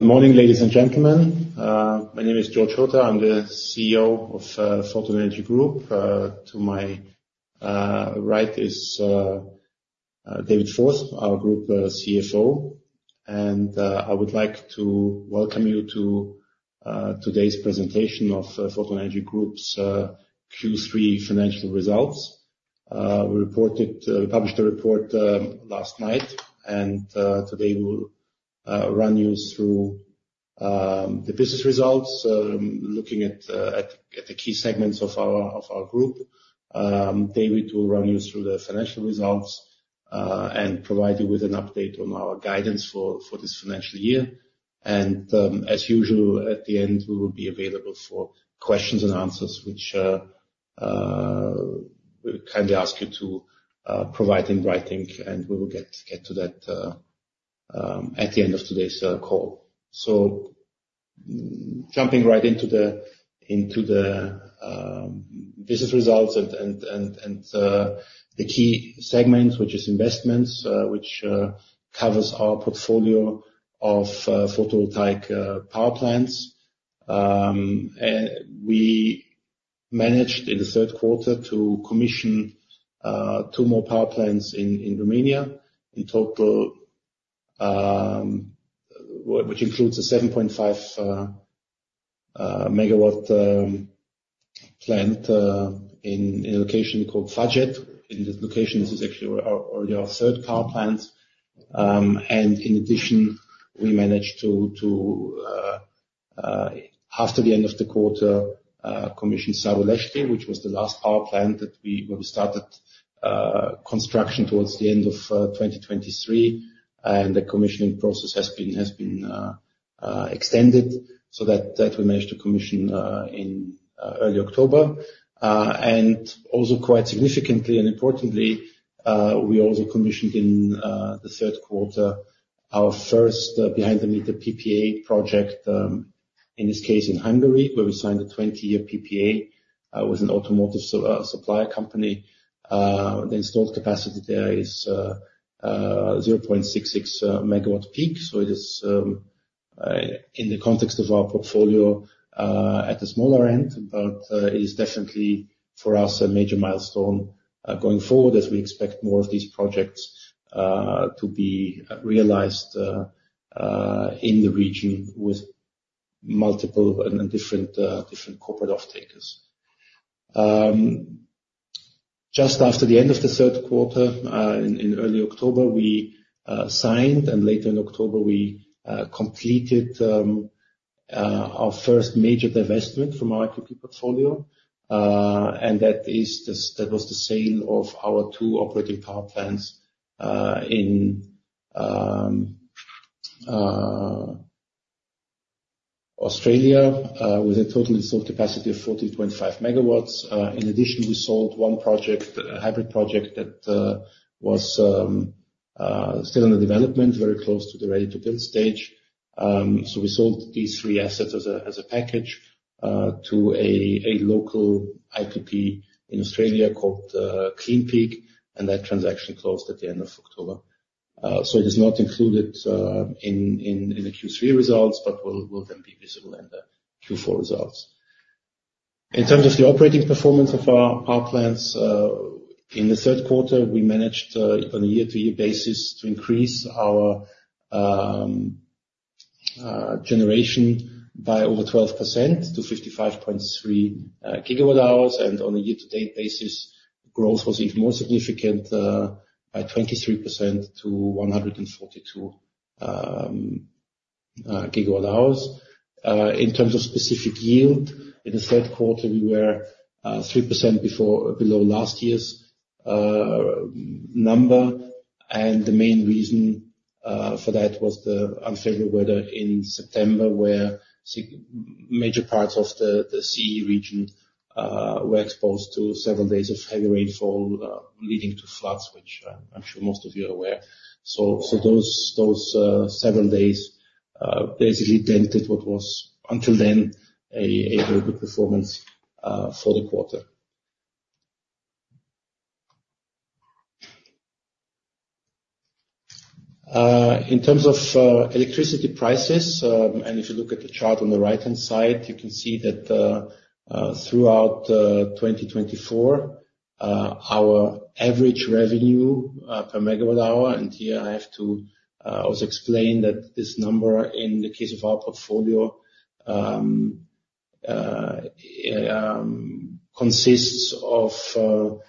Good morning, ladies and gentlemen. My name is Georg Hotar. I'm the CEO of Photon Energy Group. To my right is David Forth, our Group CFO. And I would like to welcome you to today's presentation of Photon Energy Group's Q3 financial results. We published the report last night, and today we'll run you through the business results, looking at the key segments of our group. David will run you through the financial results and provide you with an update on our guidance for this financial year. And as usual, at the end, we will be available for questions and answers, which we kindly ask you to provide in writing, and we will get to that at the end of today's call. So jumping right into the business results and the key segments, which is investments, which covers our portfolio of photovoltaic power plants. We managed, in the third quarter, to commission two more power plants in Romania, which includes a 7.5 MW plant in a location called Făget. In this location, this is actually already our third power plant. And in addition, we managed to, after the end of the quarter, commission Sărulești, which was the last power plant that we started construction towards the end of 2023. And the commissioning process has been extended so that we managed to commission in early October. And also, quite significantly and importantly, we also commissioned in the third quarter our first behind-the-meter PPA project, in this case in Hungary, where we signed a 20-year PPA with an automotive supplier company. The installed capacity there is 0.66 MWp. So it is, in the context of our portfolio, at a smaller end, but it is definitely for us a major milestone going forward as we expect more of these projects to be realized in the region with multiple and different corporate off-takers. Just after the end of the third quarter, in early October, we signed, and later in October, we completed our first major divestment from our IPP Portfolio. And that was the sale of our two operating power plants in Australia with a total installed capacity of 40.5 MW. In addition, we sold one project, a hybrid project that was still in the development, very close to the ready-to-build stage. So we sold these three assets as a package to a local IPP in Australia called CleanPeak, and that transaction closed at the end of October. It is not included in the Q3 results, but will then be visible in the Q4 results. In terms of the operating performance of our power plants, in the third quarter, we managed, on a year-to-year basis, to increase our generation by over 12% to 55.3 GWh. On a year-to-date basis, growth was even more significant, by 23% to 142 GWh. In terms of specific yield, in the third quarter, we were 3% below last year's number. The main reason for that was the unfavorable weather in September, where major parts of the CE region were exposed to several days of heavy rainfall leading to floods, which I'm sure most of you are aware. Those several days basically dented what was, until then, a very good performance for the quarter. In terms of electricity prices, and if you look at the chart on the right-hand side, you can see that throughout 2024, our average revenue per megawatt-hour, and here I have to also explain that this number, in the case of our portfolio, consists of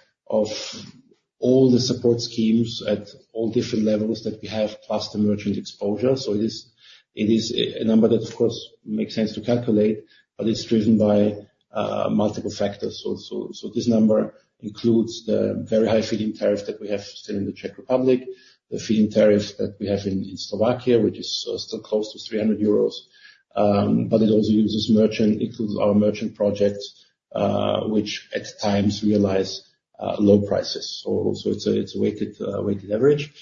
all the support schemes at all different levels that we have, plus the merchant exposure. So it is a number that, of course, makes sense to calculate, but it's driven by multiple factors. So this number includes the very high feed-in tariff that we have still in the Czech Republic, the feed-in tariff that we have in Slovakia, which is still close to 300 euros. But it also includes our merchant projects, which at times realize low prices. So it's a weighted average.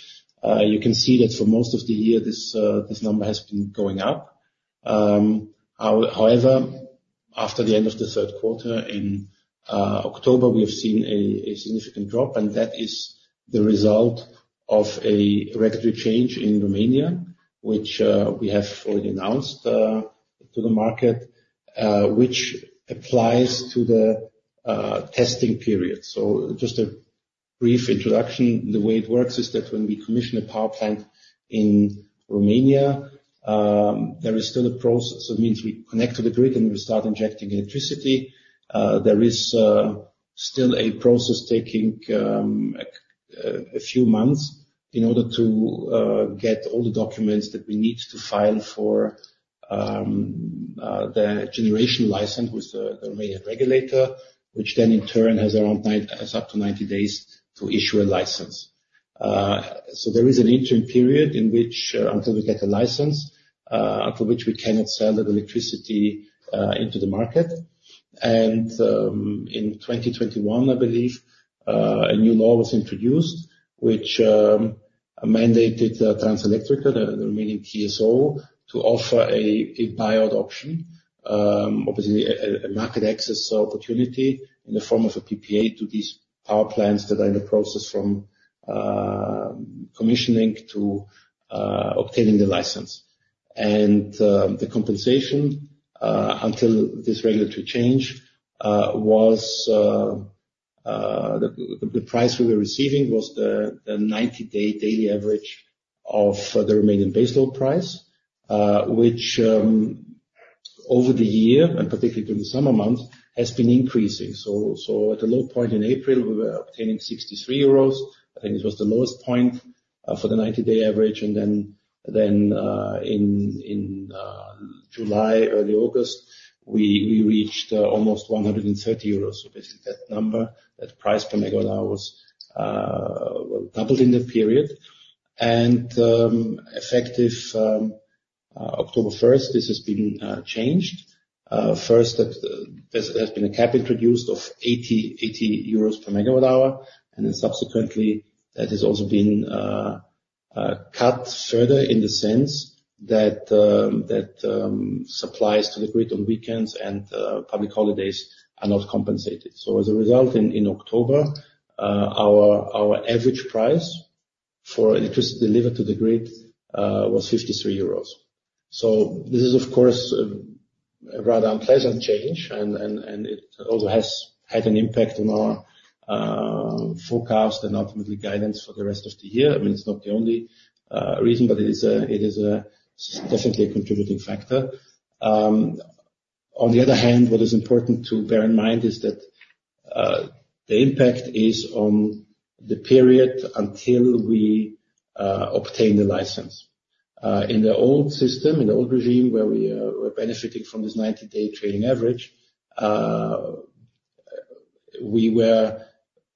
You can see that for most of the year, this number has been going up. However, after the end of the third quarter, in October, we have seen a significant drop, and that is the result of a regulatory change in Romania, which we have already announced to the market, which applies to the testing period. So just a brief introduction, the way it works is that when we commission a power plant in Romania, there is still a process. That means we connect to the grid and we start injecting electricity. There is still a process taking a few months in order to get all the documents that we need to file for the generation license with the Romanian regulator, which then, in turn, has up to 90 days to issue a license. So there is an interim period in which, until we get the license, after which we cannot sell that electricity into the market. In 2021, I believe, a new law was introduced, which mandated Transelectrica, the Romanian TSO, to offer a buyout option, obviously a market access opportunity in the form of a PPA to these power plants that are in the process from commissioning to obtaining the license. The compensation until this regulatory change was the price we were receiving was the 90-day daily average of the Romanian base load price, which over the year, and particularly during the summer months, has been increasing. At the low point in April, we were obtaining 63 euros. I think it was the lowest point for the 90-day average. In July, early August, we reached almost 130 euros. Basically, that number, that price per megawatt-hours was doubled in the period. Effective October 1st, this has been changed. First, there has been a cap introduced of 80 euros per megawatt-hour. Then subsequently, that has also been cut further in the sense that supplies to the grid on weekends and public holidays are not compensated. So as a result, in October, our average price for electricity delivered to the grid was 53 euros. So this is, of course, a rather unpleasant change, and it also has had an impact on our forecast and ultimately guidance for the rest of the year. I mean, it's not the only reason, but it is definitely a contributing factor. On the other hand, what is important to bear in mind is that the impact is on the period until we obtain the license. In the old system, in the old regime where we were benefiting from this 90-day trailing average, we were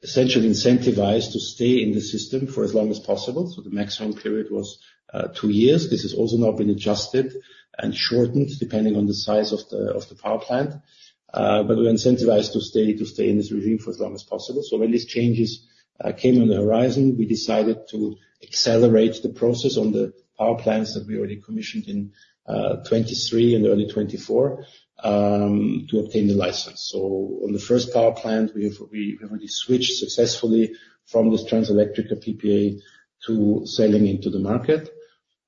essentially incentivized to stay in the system for as long as possible. So the maximum period was two years. This has also now been adjusted and shortened depending on the size of the power plant, but we were incentivized to stay in this regime for as long as possible, so when these changes came on the horizon, we decided to accelerate the process on the power plants that we already commissioned in 2023 and early 2024 to obtain the license, so on the first power plant, we have already switched successfully from this Transelectrica PPA to selling into the market.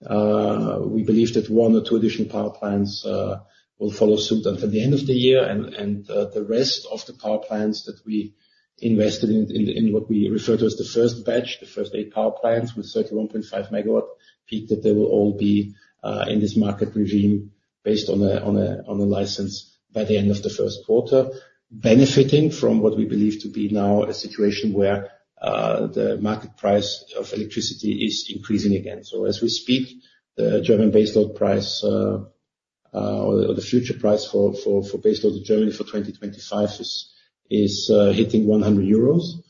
We believe that one or two additional power plants will follow suit until the end of the year. The rest of the power plants that we invested in what we refer to as the first batch, the first eight power plants with 31.5 MWp, that they will all be in this market regime based on a license by the end of the first quarter, benefiting from what we believe to be now a situation where the market price of electricity is increasing again. As we speak, the German base load price or the future price for base load in Germany for 2025 is hitting 100 euros.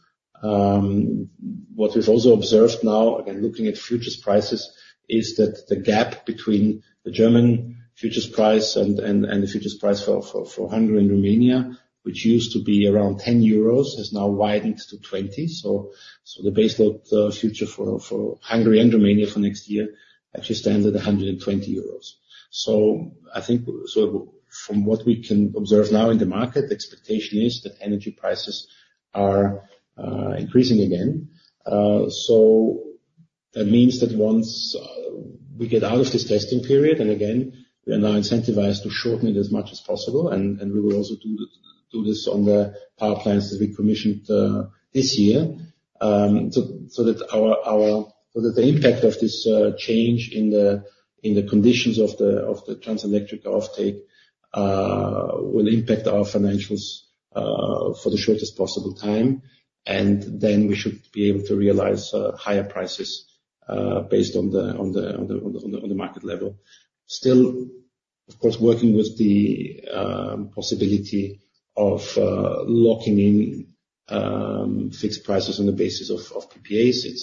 What we've also observed now, again, looking at futures prices, is that the gap between the German futures price and the futures price for Hungary and Romania, which used to be around 10 euros, has now widened to 20. The base load future for Hungary and Romania for next year actually stands at 120 euros. So from what we can observe now in the market, the expectation is that energy prices are increasing again, so that means that once we get out of this testing period, and again, we are now incentivized to shorten it as much as possible, and we will also do this on the power plants that we commissioned this year so that the impact of this change in the conditions of the Transelectrica off-take will impact our financials for the shortest possible time, and then we should be able to realize higher prices based on the market level. Still, of course, working with the possibility of locking in fixed prices on the basis of PPAs,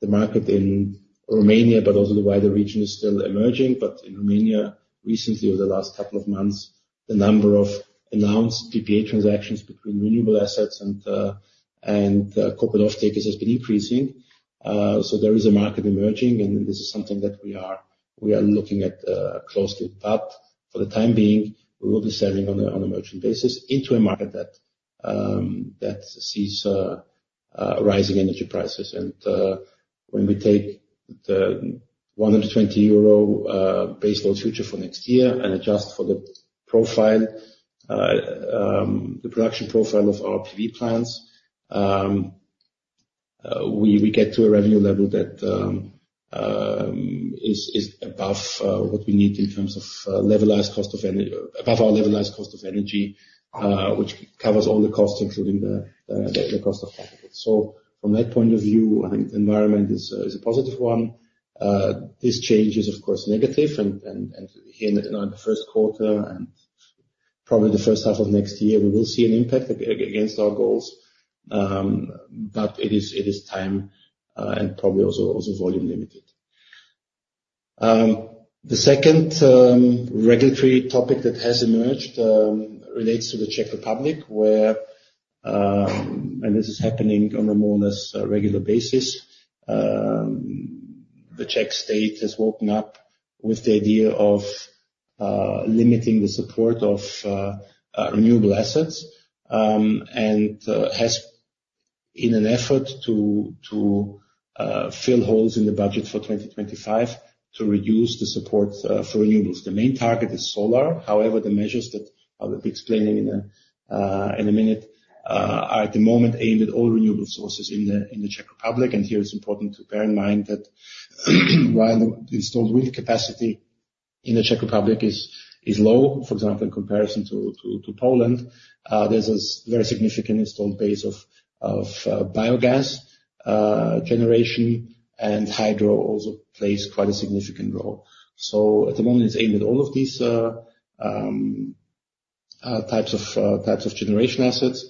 the market in Romania, but also the wider region, is still emerging. But in Romania, recently, over the last couple of months, the number of announced PPA transactions between renewable assets and corporate off-takers has been increasing. So there is a market emerging, and this is something that we are looking at closely. But for the time being, we will be selling on a merchant basis into a market that sees rising energy prices. And when we take the 120 euro base load future for next year and adjust for the production profile of our PV plants, we get to a revenue level that is above what we need in terms of above our levelized cost of energy, which covers all the costs, including the cost of capital. So from that point of view, I think the environment is a positive one. This change is, of course, negative. Here in the first quarter and probably the first half of next year, we will see an impact against our goals. It is time and probably also volume-limited. The second regulatory topic that has emerged relates to the Czech Republic, where this is happening on a more or less regular basis. The Czech state has woken up with the idea of limiting the support of renewable assets and has, in an effort to fill holes in the budget for 2025, reduced the support for renewables. The main target is solar. However, the measures that I'll be explaining in a minute are at the moment aimed at all renewable sources in the Czech Republic. Here it's important to bear in mind that while the installed wind capacity in the Czech Republic is low, for example, in comparison to Poland, there's a very significant installed base of biogas generation, and hydro also plays quite a significant role. At the moment, it's aimed at all of these types of generation assets.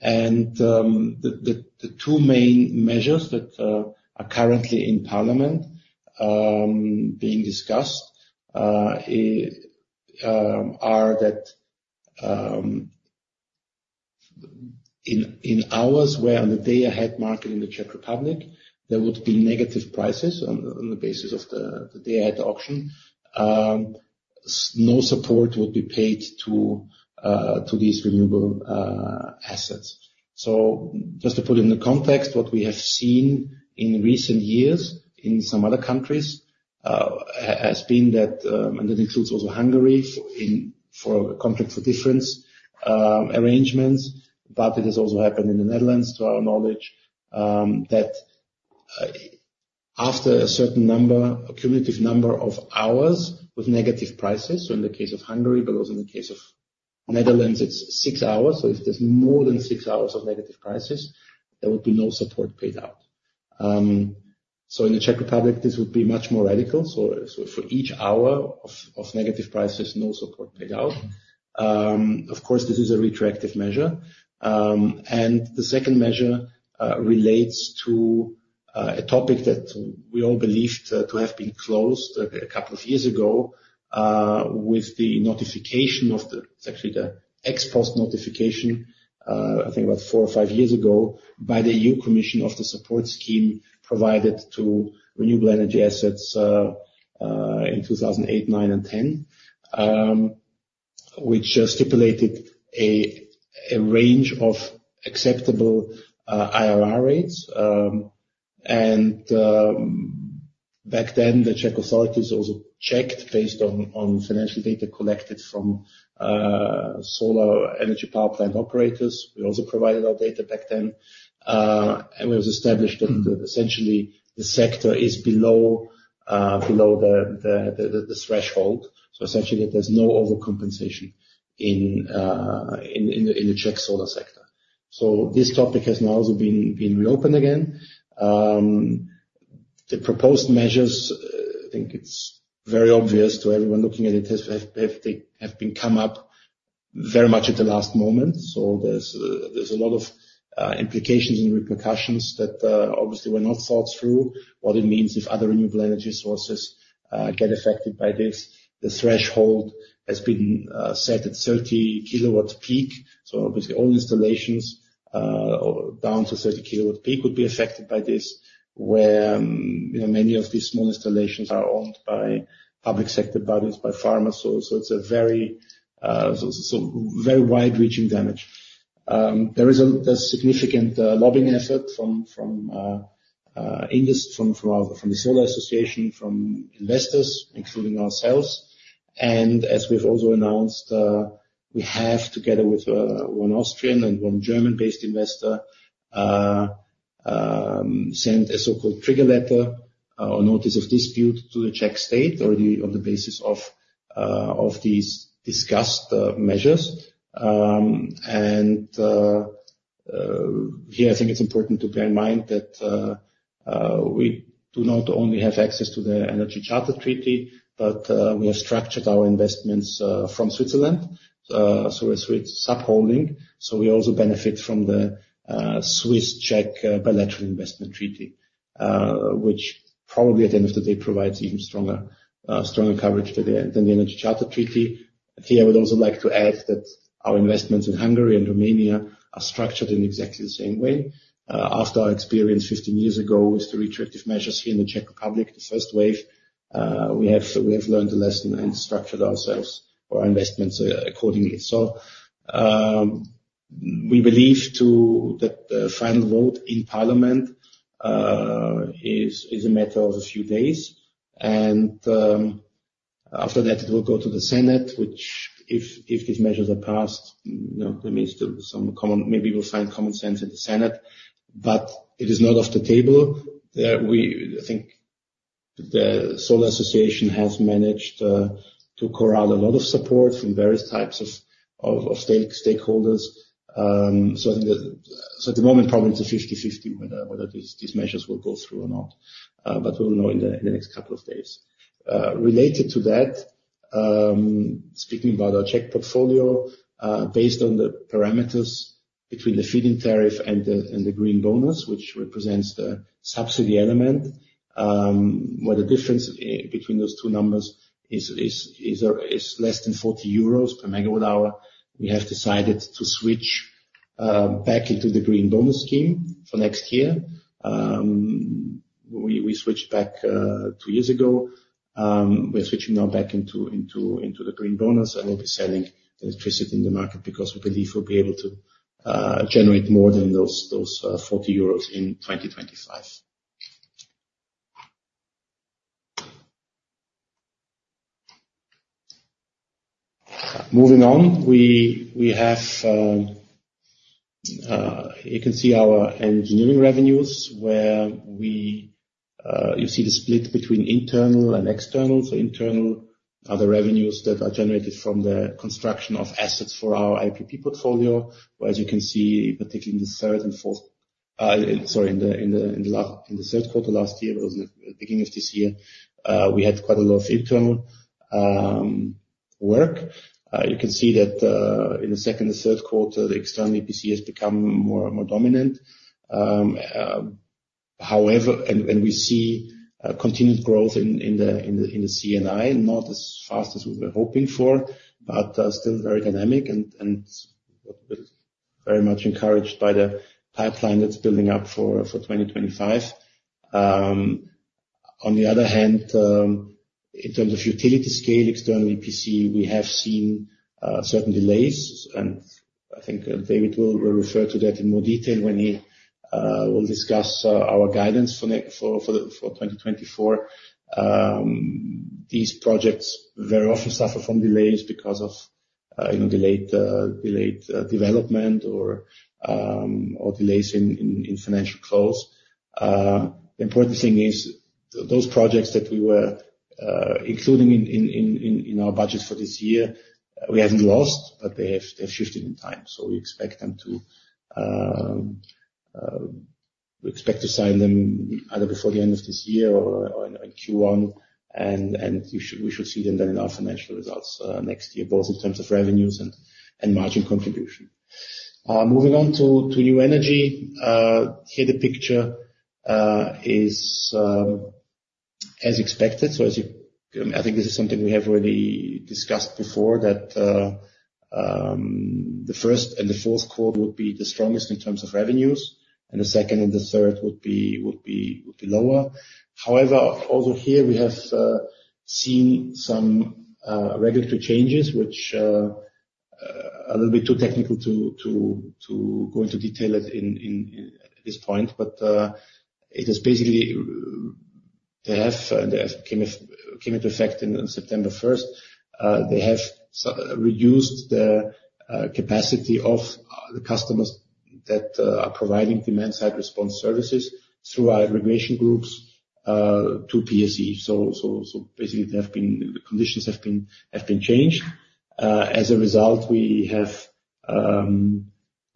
The two main measures that are currently in Parliament being discussed are that in hours where on the day-ahead market in the Czech Republic, there would be negative prices on the basis of the day-ahead auction, no support would be paid to these renewable assets. Just to put it in the context, what we have seen in recent years in some other countries has been that, and that includes also Hungary for a contract for difference arrangements. But it has also happened in the Netherlands, to our knowledge, that after a certain number, a cumulative number of hours with negative prices, so in the case of Hungary, but also in the case of Netherlands, it's six hours. So if there's more than six hours of negative prices, there would be no support paid out. So in the Czech Republic, this would be much more radical. So for each hour of negative prices, no support paid out. Of course, this is a retroactive measure. The second measure relates to a topic that we all believed to have been closed a couple of years ago with the notification of the, it's actually the ex post notification, I think about four or five years ago by the EU Commission of the support scheme provided to renewable energy assets in 2008, 2009, and 2010, which stipulated a range of acceptable IRR rates. Back then, the Czech authorities also checked based on financial data collected from solar energy power plant operators. We also provided our data back then. We have established that essentially the sector is below the threshold. Essentially, there's no overcompensation in the Czech solar sector. This topic has now also been reopened again. The proposed measures, I think it's very obvious to everyone looking at it, have been come up very much at the last moment. So there's a lot of implications and repercussions that obviously were not thought through, what it means if other renewable energy sources get affected by this. The threshold has been set at 30 kWp. So obviously, all installations down to 30 kWp would be affected by this, where many of these small installations are owned by public sector bodies, by farmers. So it's a very wide-reaching damage. There is a significant lobbying effort from the Solar Association, from investors, including ourselves. And as we've also announced, we have, together with one Austrian and one German-based investor, sent a so-called trigger letter or notice of dispute to the Czech state already on the basis of these discussed measures. And here, I think it's important to bear in mind that we do not only have access to the Energy Charter Treaty, but we have structured our investments from Switzerland. We're a Swiss sub-holding. We also benefit from the Swiss-Czech Bilateral Investment Treaty, which probably at the end of the day provides even stronger coverage than the Energy Charter Treaty. Here I would also like to add that our investments in Hungary and Romania are structured in exactly the same way. After our experience 15 years ago with the retroactive measures here in the Czech Republic, the first wave, we have learned the lesson and structured ourselves or our investments accordingly. We believe that the final vote in Parliament is a matter of a few days. And after that, it will go to the Senate, which if these measures are passed, there may still be some common, maybe we'll find common sense in the Senate. But it is not off the table. I think the Solar Association has managed to corral a lot of support from various types of stakeholders. So at the moment, probably it's a 50/50 whether these measures will go through or not. But we'll know in the next couple of days. Related to that, speaking about our Czech portfolio, based on the parameters between the feed-in tariff and the Green Bonus, which represents the subsidy element, where the difference between those two numbers is less than 40 euros per megawatt-hour, we have decided to switch back into the Green Bonus scheme for next year. We switched back two years ago. We're switching now back into the Green Bonus and will be selling electricity in the market because we believe we'll be able to generate more than those 40 euros in 2025. Moving on, you can see our engineering revenues, where you see the split between internal and external. So, internal are the revenues that are generated from the construction of assets for our IPP portfolio, whereas you can see, particularly in the third and fourth, sorry, in the third quarter last year, but also in the beginning of this year, we had quite a lot of internal work. You can see that in the second and third quarter, the external EPC has become more dominant. However, we see continued growth in the C&I, not as fast as we were hoping for, but still very dynamic and very much encouraged by the pipeline that's building up for 2025. On the other hand, in terms of utility scale, external EPC, we have seen certain delays. And I think David will refer to that in more detail when he will discuss our guidance for 2024. These projects very often suffer from delays because of delayed development or delays in financial close. The important thing is those projects that we were including in our budget for this year, we haven't lost, but they have shifted in time. So we expect to sign them either before the end of this year or in Q1. And we should see them then in our financial results next year, both in terms of revenues and margin contribution. Moving on to new energy, here, the picture is as expected. So I think this is something we have already discussed before, that the first and the fourth quarter would be the strongest in terms of revenues, and the second and the third would be lower. However, also here, we have seen some regulatory changes, which are a little bit too technical to go into detail at this point. But it is basically they have came into effect on September 1st. They have reduced the capacity of the customers that are providing demand-side response services through our regulation groups to PSE, so basically, the conditions have been changed. As a result, we have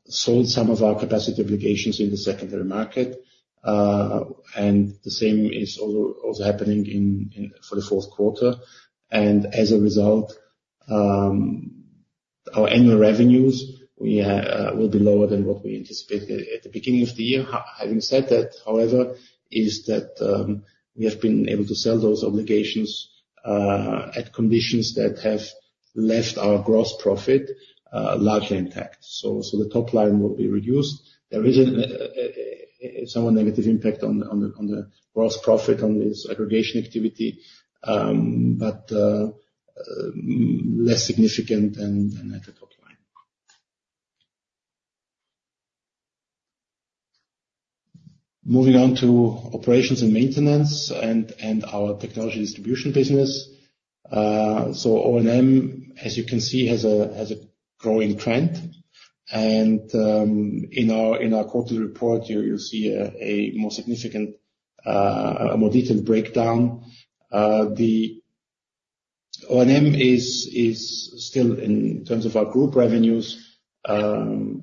sold some of our capacity obligations in the secondary market, and the same is also happening for the fourth quarter, and as a result, our annual revenues will be lower than what we anticipated at the beginning of the year. Having said that, however, is that we have been able to sell those obligations at conditions that have left our gross profit largely intact, so the top line will be reduced. There isn't somewhat negative impact on the gross profit on this aggregation activity, but less significant than at the top line. Moving on to operations and maintenance and our technology distribution business, so O&M, as you can see, has a growing trend. In our quarterly report, you'll see a more significant, a more detailed breakdown. The O&M is still, in terms of our group revenues, a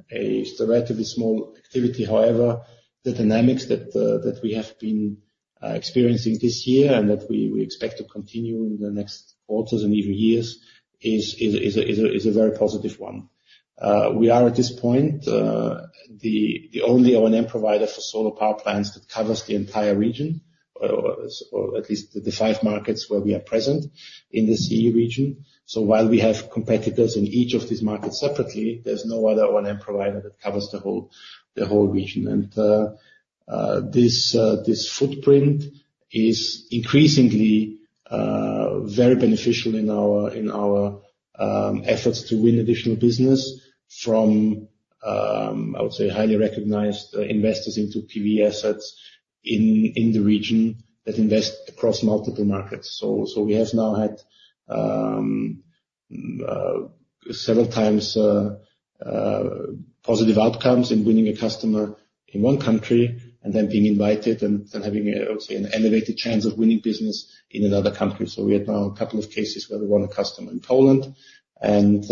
relatively small activity. However, the dynamics that we have been experiencing this year and that we expect to continue in the next quarters and even years is a very positive one. We are, at this point, the only O&M provider for solar power plants that covers the entire region, or at least the five markets where we are present in the CE region. So while we have competitors in each of these markets separately, there's no other O&M provider that covers the whole region. And this footprint is increasingly very beneficial in our efforts to win additional business from, I would say, highly recognized investors into PV assets in the region that invest across multiple markets. So we have now had several times positive outcomes in winning a customer in one country and then being invited and having, I would say, an elevated chance of winning business in another country. So we have now a couple of cases where we won a customer in Poland and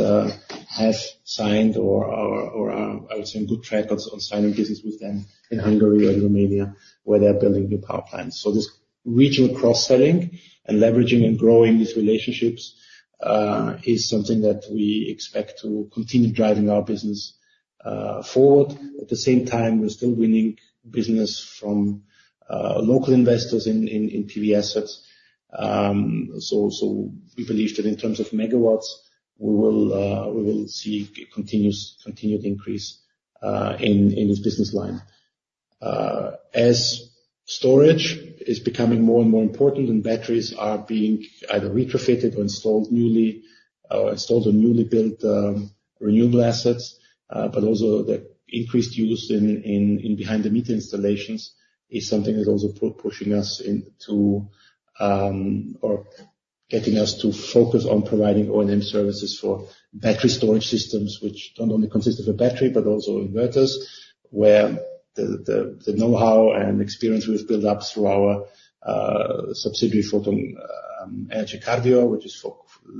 have signed or, I would say, in good track on signing business with them in Hungary or in Romania, where they're building new power plants. So this regional cross-selling and leveraging and growing these relationships is something that we expect to continue driving our business forward. At the same time, we're still winning business from local investors in PV assets. So we believe that in terms of megawatts, we will see continued increase in this business line. As storage is becoming more and more important and batteries are being either retrofitted or installed newly or installed or newly built renewable assets, but also the increased use in behind-the-meter installations is something that's also pushing us into or getting us to focus on providing O&M services for battery storage systems, which not only consist of a battery, but also inverters, where the know-how and experience we've built up through our subsidiary Photon Energy Cardio, which is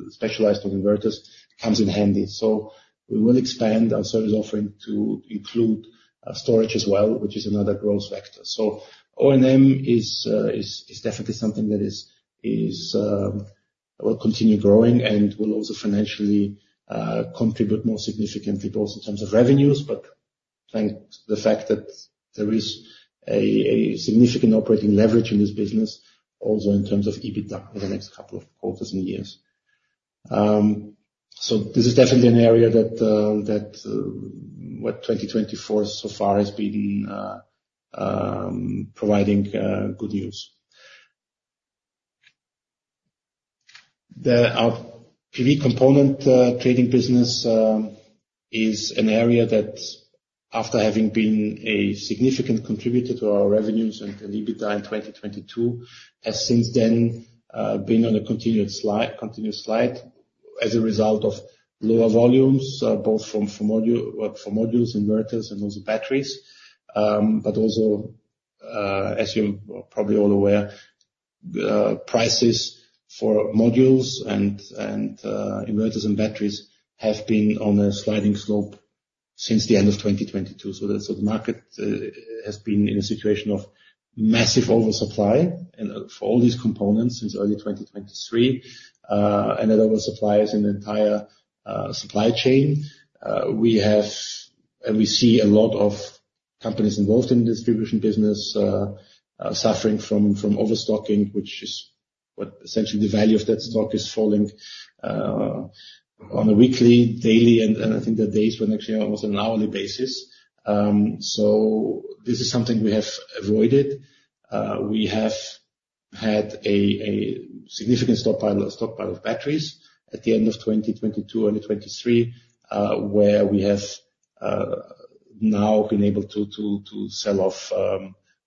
specialized on inverters, comes in handy. So we will expand our service offering to include storage as well, which is another growth factor. So O&M is definitely something that will continue growing and will also financially contribute more significantly, both in terms of revenues, but the fact that there is a significant operating leverage in this business also in terms of EBITDA over the next couple of quarters and years. So this is definitely an area that, 2024 so far has been providing good news. The PV component trading business is an area that, after having been a significant contributor to our revenues and EBITDA in 2022, has since then been on a continuous slide as a result of lower volumes, both for modules, inverters, and also batteries. But also, as you're probably all aware, prices for modules and inverters and batteries have been on a sliding slope since the end of 2022. So the market has been in a situation of massive oversupply for all these components since early 2023. And that oversupply is in the entire supply chain. We see a lot of companies involved in the distribution business suffering from overstocking, which is what essentially the value of that stock is falling on a weekly, daily, and I think the days when actually almost on an hourly basis. So this is something we have avoided. We have had a significant stockpile of batteries at the end of 2022, early 2023, where we have now been able to sell off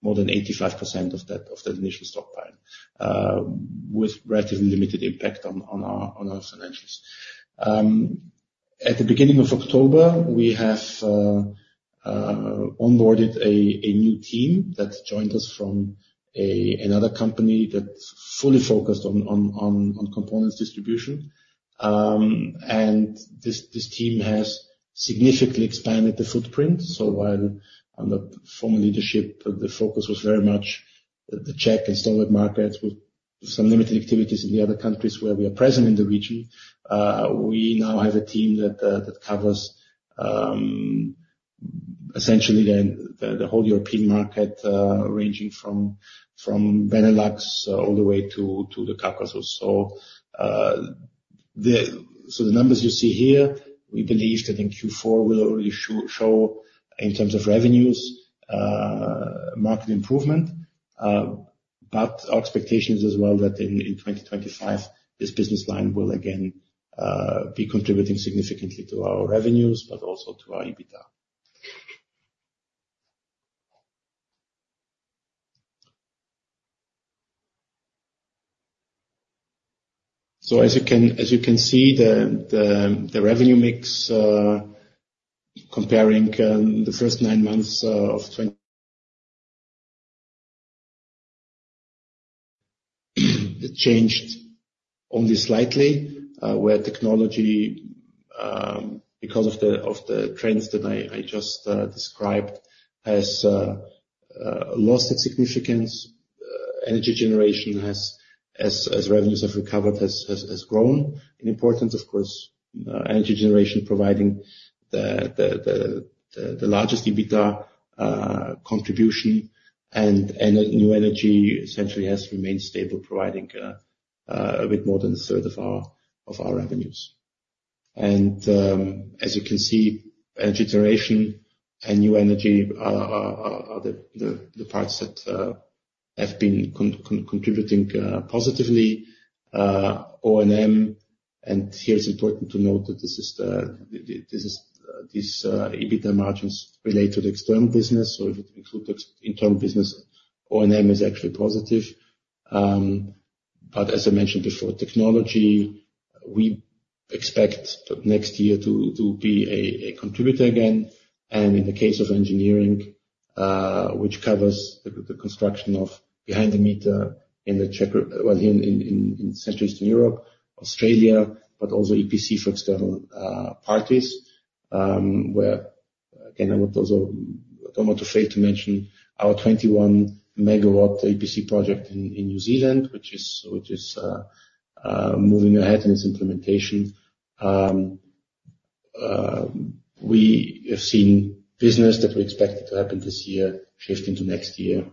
more than 85% of that initial stockpile with relatively limited impact on our financials. At the beginning of October, we have onboarded a new team that joined us from another company that's fully focused on components distribution. And this team has significantly expanded the footprint. So while under former leadership, the focus was very much the Czech and Slovak markets with some limited activities in the other countries where we are present in the region, we now have a team that covers essentially the whole European market ranging from Benelux all the way to the Caucasus. So the numbers you see here, we believe that in Q4 will already show, in terms of revenues, market improvement. But our expectation is as well that in 2025, this business line will again be contributing significantly to our revenues, but also to our EBITDA. So as you can see, the revenue mix comparing the first nine months of 2023 changed only slightly, where technology, because of the trends that I just described, has lost its significance. Energy generation, as revenues have recovered, has grown in importance. Of course, energy generation providing the largest EBITDA contribution and new energy essentially has remained stable, providing a bit more than a third of our revenues, and as you can see, energy generation and new energy are the parts that have been contributing positively. O&M, and here it's important to note that this EBITDA margins relate to the external business. So if it includes the internal business, O&M is actually positive. But as I mentioned before, technology, we expect next year to be a contributor again, and in the case of engineering, which covers the construction of behind-the-meter in Central and Eastern Europe, Australia, but also EPC for external parties, where, again, I don't want to fail to mention our 21 MW EPC project in New Zealand, which is moving ahead in its implementation. We have seen business that we expected to happen this year shift into next year.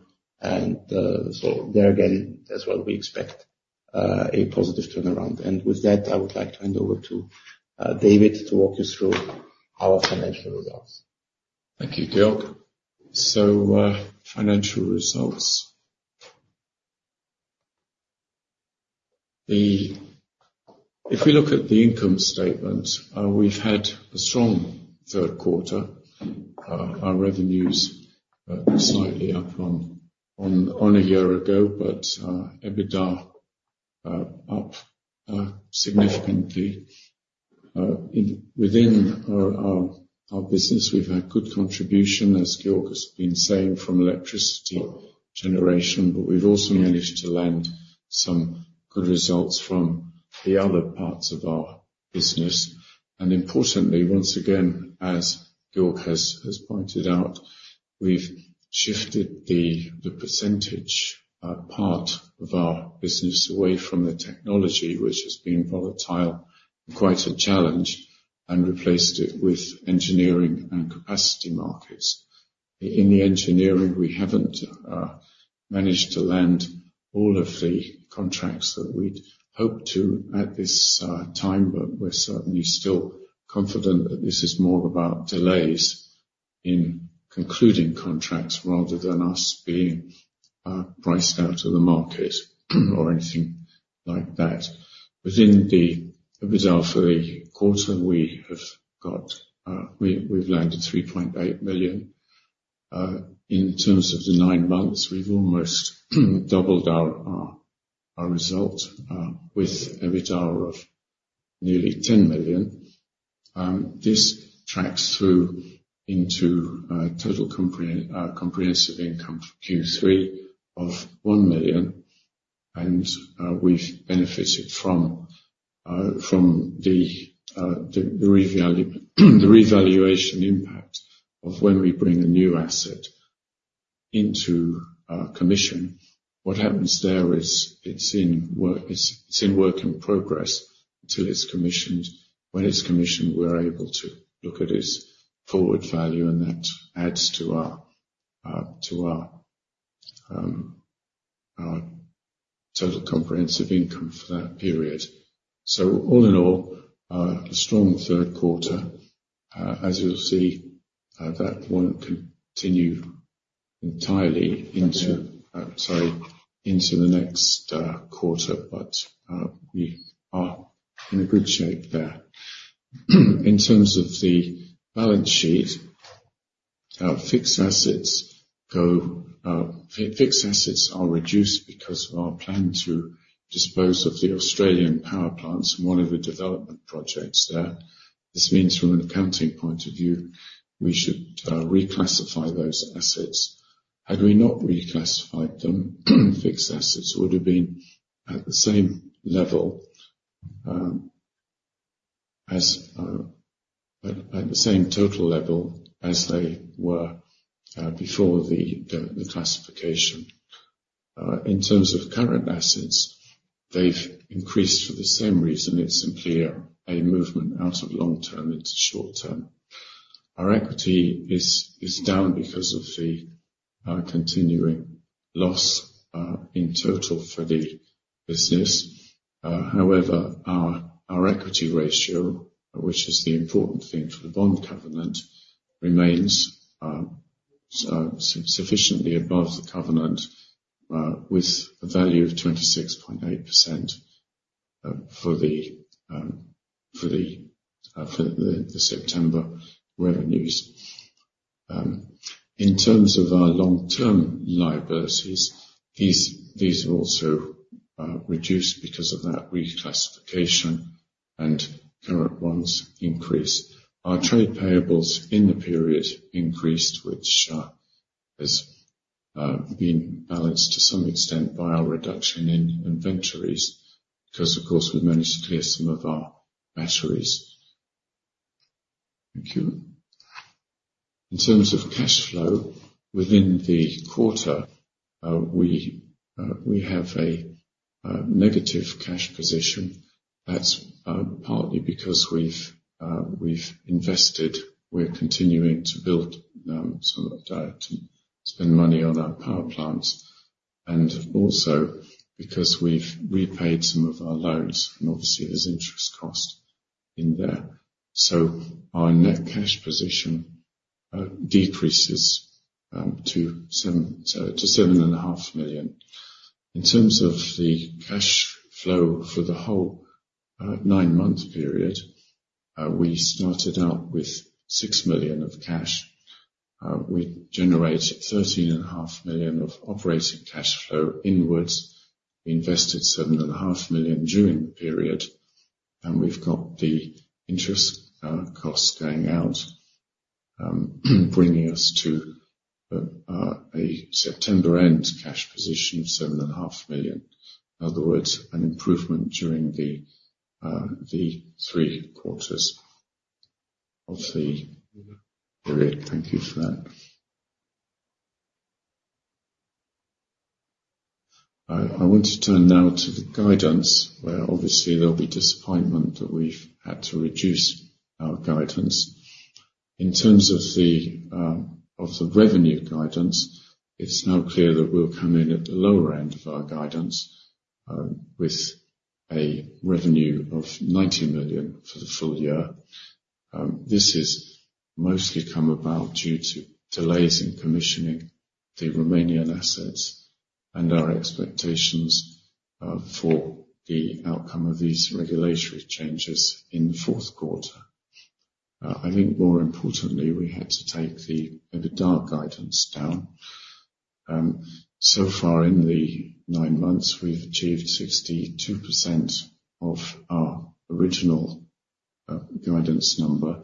So there, again, as well, we expect a positive turnaround. With that, I would like to hand over to David to walk you through our financial results. Thank you, Georg. Financial results. If we look at the income statement, we've had a strong third quarter. Our revenues are slightly up on a year ago, but EBITDA is up significantly. Within our business, we've had good contribution, as Georg has been saying, from electricity generation, but we've also managed to land some good results from the other parts of our business. Importantly, once again, as Georg has pointed out, we've shifted the percentage part of our business away from the technology, which has been volatile and quite a challenge, and replaced it with engineering and capacity markets. In the engineering, we haven't managed to land all of the contracts that we'd hoped to at this time, but we're certainly still confident that this is more about delays in concluding contracts rather than us being priced out of the market or anything like that. Within the EBITDA for the quarter, we've landed 3.8 million. In terms of the nine months, we've almost doubled our result with EBITDA of nearly 10 million. This tracks through into total comprehensive income for Q3 of 1 million, and we've benefited from the revaluation impact of when we bring a new asset into commission. What happens there is it's in work in progress until it's commissioned. When it's commissioned, we're able to look at its forward value, and that adds to our total comprehensive income for that period, so all in all, a strong third quarter. As you'll see, that won't continue entirely into the next quarter, but we are in a good shape there. In terms of the balance sheet, our fixed assets are reduced because of our plan to dispose of the Australian power plants and one of the development projects there. This means from an accounting point of view, we should reclassify those assets. Had we not reclassified them, fixed assets would have been at the same level, at the same total level as they were before the classification. In terms of current assets, they've increased for the same reason. It's simply a movement out of long-term into short-term. Our equity is down because of the continuing loss in total for the business. However, our equity ratio, which is the important thing for the bond covenant, remains sufficiently above the covenant with a value of 26.8% for the September revenues. In terms of our long-term liabilities, these are also reduced because of that reclassification, and current ones increase. Our trade payables in the period increased, which has been balanced to some extent by our reduction in inventories because, of course, we've managed to clear some of our batteries. Thank you. In terms of cash flow, within the quarter, we have a negative cash position. That's partly because we've invested. We're continuing to build some of our debt to spend money on our power plants and also because we've repaid some of our loans. And obviously, there's interest cost in there. So our net cash position decreases to 7.5 million. In terms of the cash flow for the whole nine-month period, we started out with 6 million of cash. We generated 13.5 million of operating cash flow inwards. We invested 7.5 million during the period, and we've got the interest costs going out, bringing us to a September-end cash position of 7.5 million. In other words, an improvement during the three quarters of the period. Thank you for that. I want to turn now to the guidance, where obviously there'll be disappointment that we've had to reduce our guidance. In terms of the revenue guidance, it's now clear that we'll come in at the lower end of our guidance with a revenue of 90 million for the full year. This has mostly come about due to delays in commissioning the Romanian assets and our expectations for the outcome of these regulatory changes in the fourth quarter. I think more importantly, we had to take the EBITDA guidance down. So far, in the nine months, we've achieved 62% of our original guidance number,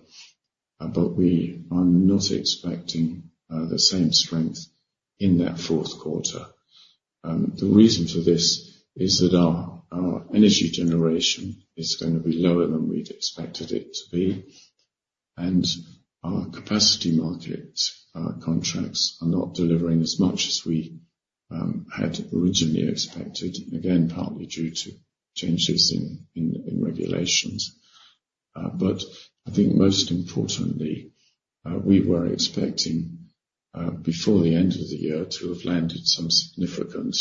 but we are not expecting the same strength in that fourth quarter. The reason for this is that our energy generation is going to be lower than we'd expected it to be, and our capacity market contracts are not delivering as much as we had originally expected, again, partly due to changes in regulations. But I think most importantly, we were expecting before the end of the year to have landed some significant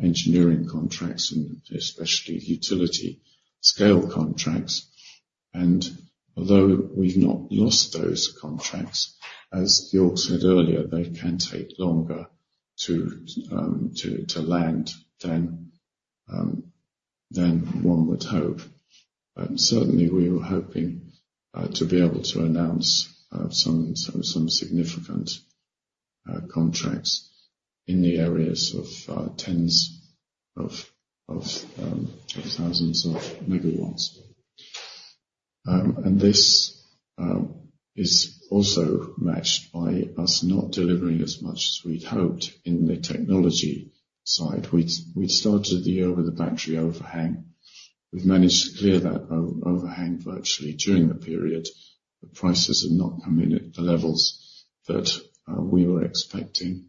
engineering contracts, especially utility scale contracts. And although we've not lost those contracts, as Georg said earlier, they can take longer to land than one would hope. But certainly, we were hoping to be able to announce some significant contracts in the areas of tens of thousands of megawatts. And this is also matched by us not delivering as much as we'd hoped in the technology side. We'd started the year with a battery overhang. We've managed to clear that overhang virtually during the period. The prices have not come in at the levels that we were expecting.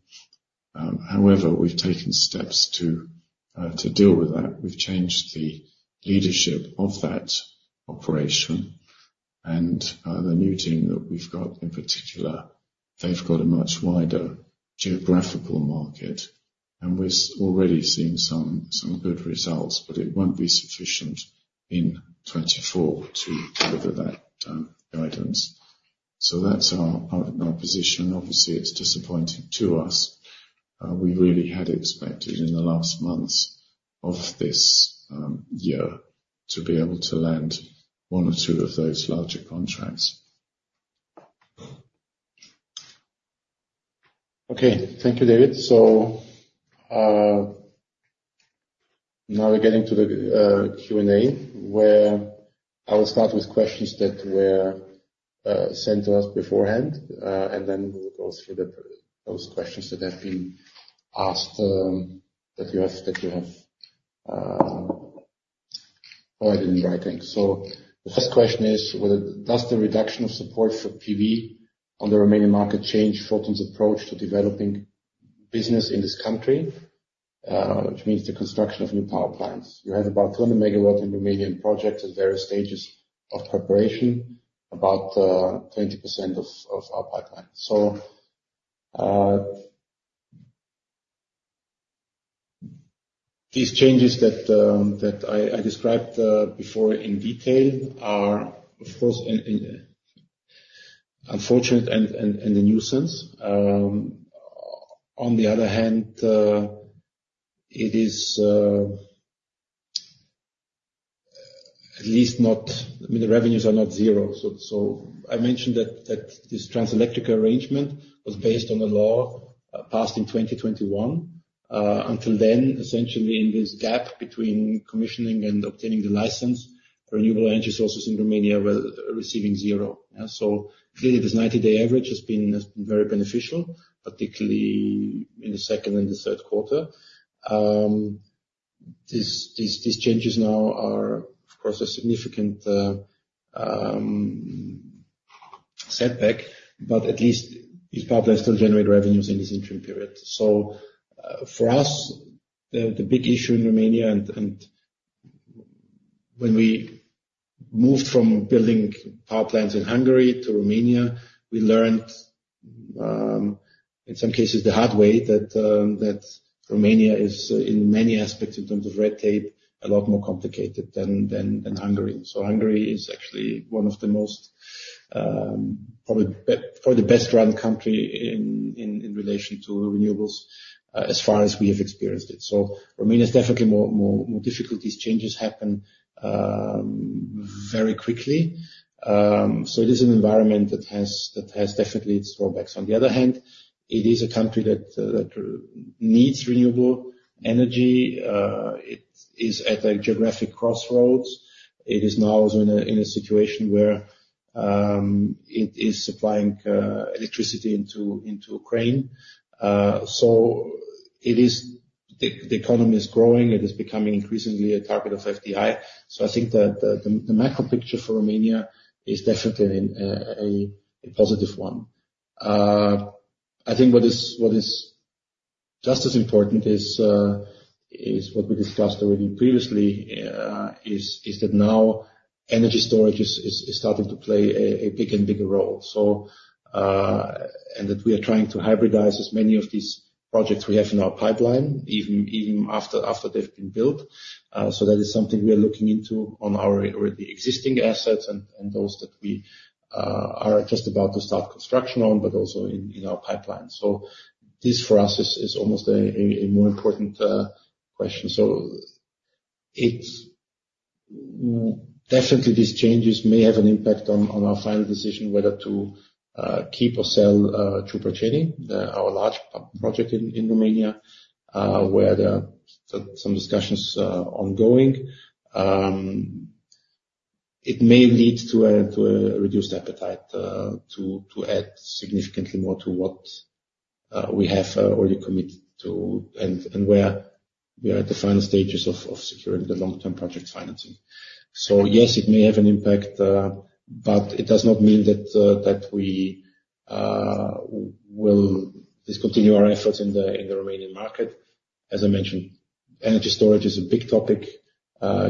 However, we've taken steps to deal with that. We've changed the leadership of that operation. And the new team that we've got, in particular, they've got a much wider geographical market. And we've already seen some good results, but it won't be sufficient in 2024 to deliver that guidance. So that's our position. Obviously, it's disappointing to us. We really had expected in the last months of this year to be able to land one or two of those larger contracts. Okay. Thank you, David. So now we're getting to the Q&A, where I will start with questions that were sent to us beforehand, and then we'll go through those questions that have been asked that you have in writing. So the first question is, does the reduction of support for PV on the Romanian market change Photon's approach to developing business in this country, which means the construction of new power plants? You have about 200 MW in Romanian projects at various stages of preparation, about 20% of our pipeline. So these changes that I described before in detail are, of course, unfortunate and a nuisance. On the other hand, it is at least not. I mean, the revenues are not zero. So I mentioned that this Transelectrica arrangement was based on a law passed in 2021. Until then, essentially in this gap between commissioning and obtaining the license, renewable energy sources in Romania were receiving zero. So clearly, this 90-day average has been very beneficial, particularly in the second and the third quarter. These changes now are, of course, a significant setback, but at least these power plants still generate revenues in this interim period. So for us, the big issue in Romania, and when we moved from building power plants in Hungary to Romania, we learned, in some cases, the hard way that Romania is, in many aspects in terms of red tape, a lot more complicated than Hungary. So Hungary is actually one of the most, probably for the best-run country in relation to renewables as far as we have experienced it. So Romania is definitely more difficult. These changes happen very quickly. So it is an environment that has definitely its drawbacks. On the other hand, it is a country that needs renewable energy. It is at a geographic crossroads. It is now also in a situation where it is supplying electricity into Ukraine. So the economy is growing. It is becoming increasingly a target of FDI. So I think that the macro picture for Romania is definitely a positive one. I think what is just as important is what we discussed already previously, is that now energy storage is starting to play a bigger and bigger role. And that we are trying to hybridize as many of these projects we have in our pipeline, even after they've been built. So that is something we are looking into on our already existing assets and those that we are just about to start construction on, but also in our pipeline. So this, for us, is almost a more important question. So definitely, these changes may have an impact on our final decision whether to keep or sell Ciuperceni, our large project in Romania, where there are some discussions ongoing. It may lead to a reduced appetite to add significantly more to what we have already committed to and where we are at the final stages of securing the long-term project financing. So yes, it may have an impact, but it does not mean that we will discontinue our efforts in the Romanian market. As I mentioned, energy storage is a big topic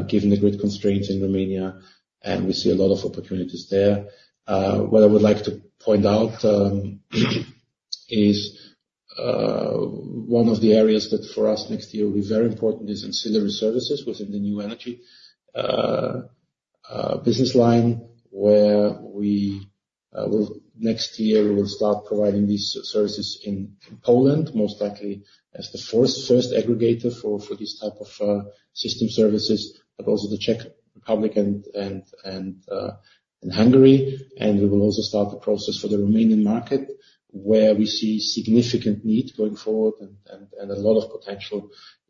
given the grid constraints in Romania, and we see a lot of opportunities there. What I would like to point out is one of the areas that, for us, next year will be very important is ancillary services within the new energy business line, where next year we will start providing these services in Poland, most likely as the first aggregator for this type of system services, but also the Czech Republic and Hungary. And we will also start the process for the Romanian market, where we see significant need going forward and a lot of potential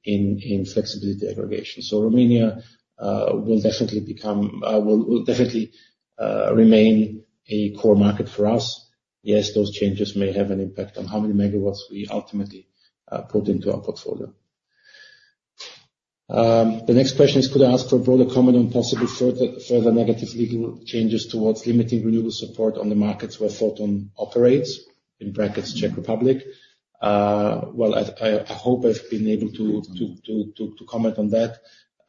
in flexibility aggregation. So Romania will definitely remain a core market for us. Yes, those changes may have an impact on how many megawatts we ultimately put into our portfolio. The next question is, could I ask for a broader comment on possible further negative legal changes towards limiting renewable support on the markets where Photon operates, [Czech Republic]? I hope I've been able to comment on that.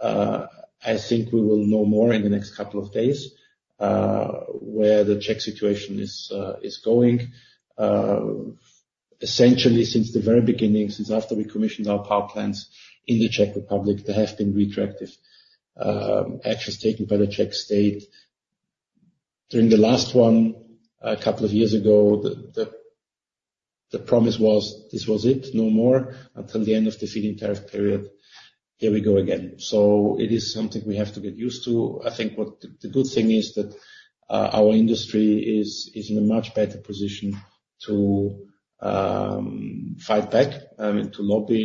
I think we will know more in the next couple of days where the Czech situation is going. Essentially, since the very beginning, since after we commissioned our power plants in the Czech Republic, there have been retroactive actions taken by the Czech state. During the last one, a couple of years ago, the promise was, "This was it, no more," until the end of the feed-in tariff period. Here we go again. It is something we have to get used to. I think the good thing is that our industry is in a much better position to fight back, to lobby,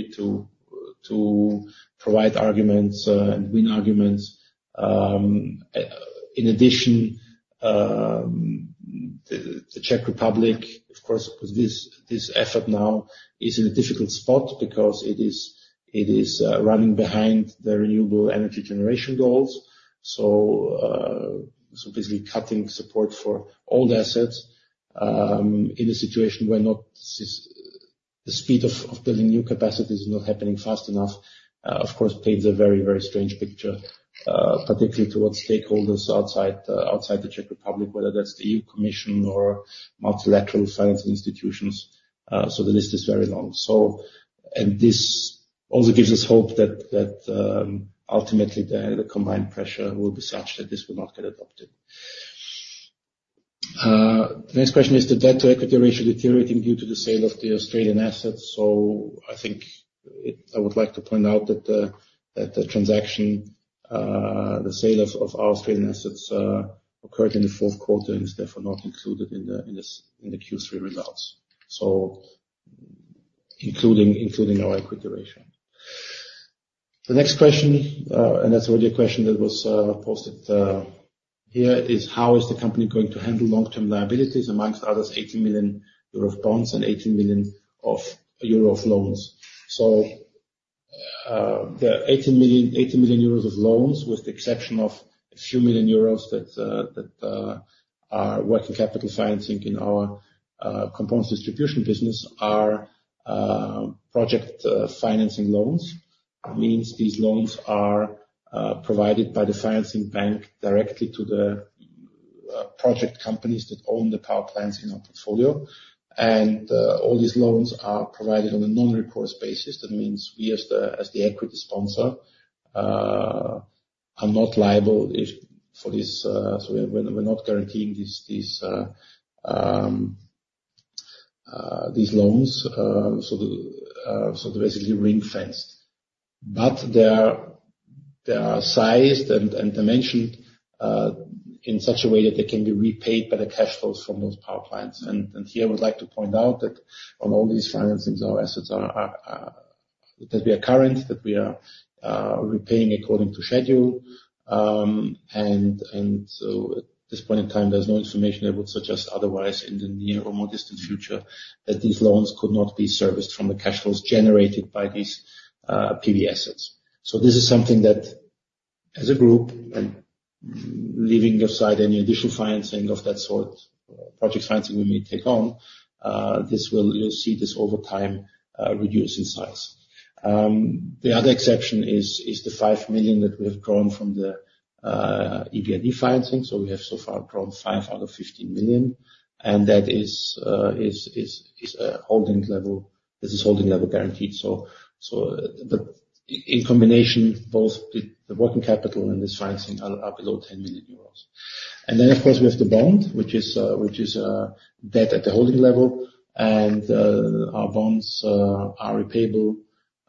to provide arguments and win arguments. In addition, the Czech Republic, of course, with this effort now, is in a difficult spot because it is running behind the renewable energy generation goals. So basically cutting support for old assets in a situation where the speed of building new capacity is not happening fast enough, of course, paints a very, very strange picture, particularly towards stakeholders outside the Czech Republic, whether that's the EU Commission or multilateral financing institutions. So the list is very long, and this also gives us hope that ultimately the combined pressure will be such that this will not get adopted. The next question is the debt-to-equity ratio deteriorating due to the sale of the Australian assets. So I think I would like to point out that the transaction, the sale of our Australian assets occurred in the fourth quarter and is therefore not included in the Q3 results, so including our equity ratio. The next question, and that's already a question that was posted here, is, how is the company going to handle long-term liabilities? Among others, 18 million euro of bonds and 18 million euro of loans. The 18 million euros of loans, with the exception of a few million Euros that are working capital financing in our components distribution business, are project financing loans. That means these loans are provided by the financing bank directly to the project companies that own the power plants in our portfolio. All these loans are provided on a non-recourse basis. That means we, as the equity sponsor, are not liable for this. We're not guaranteeing these loans. They're basically ring-fenced. They are sized and dimensioned in such a way that they can be repaid by the cash flows from those power plants. Here, I would like to point out that on all these financings, our assets that we are currently repaying according to schedule. And so at this point in time, there's no information that would suggest otherwise in the near or more distant future that these loans could not be serviced from the cash flows generated by these PV assets. So this is something that, as a group, and leaving aside any additional financing of that sort, project financing we may take on, you'll see this over time reduce in size. The other exception is the 5 million that we have drawn from the EBRD financing. So we have so far drawn 5 out of 15 million. And that is a holding level that is guaranteed. So in combination, both the working capital and this financing are below 10 million euros. And then, of course, we have the bond, which is debt at the holding level. Our bonds are repayable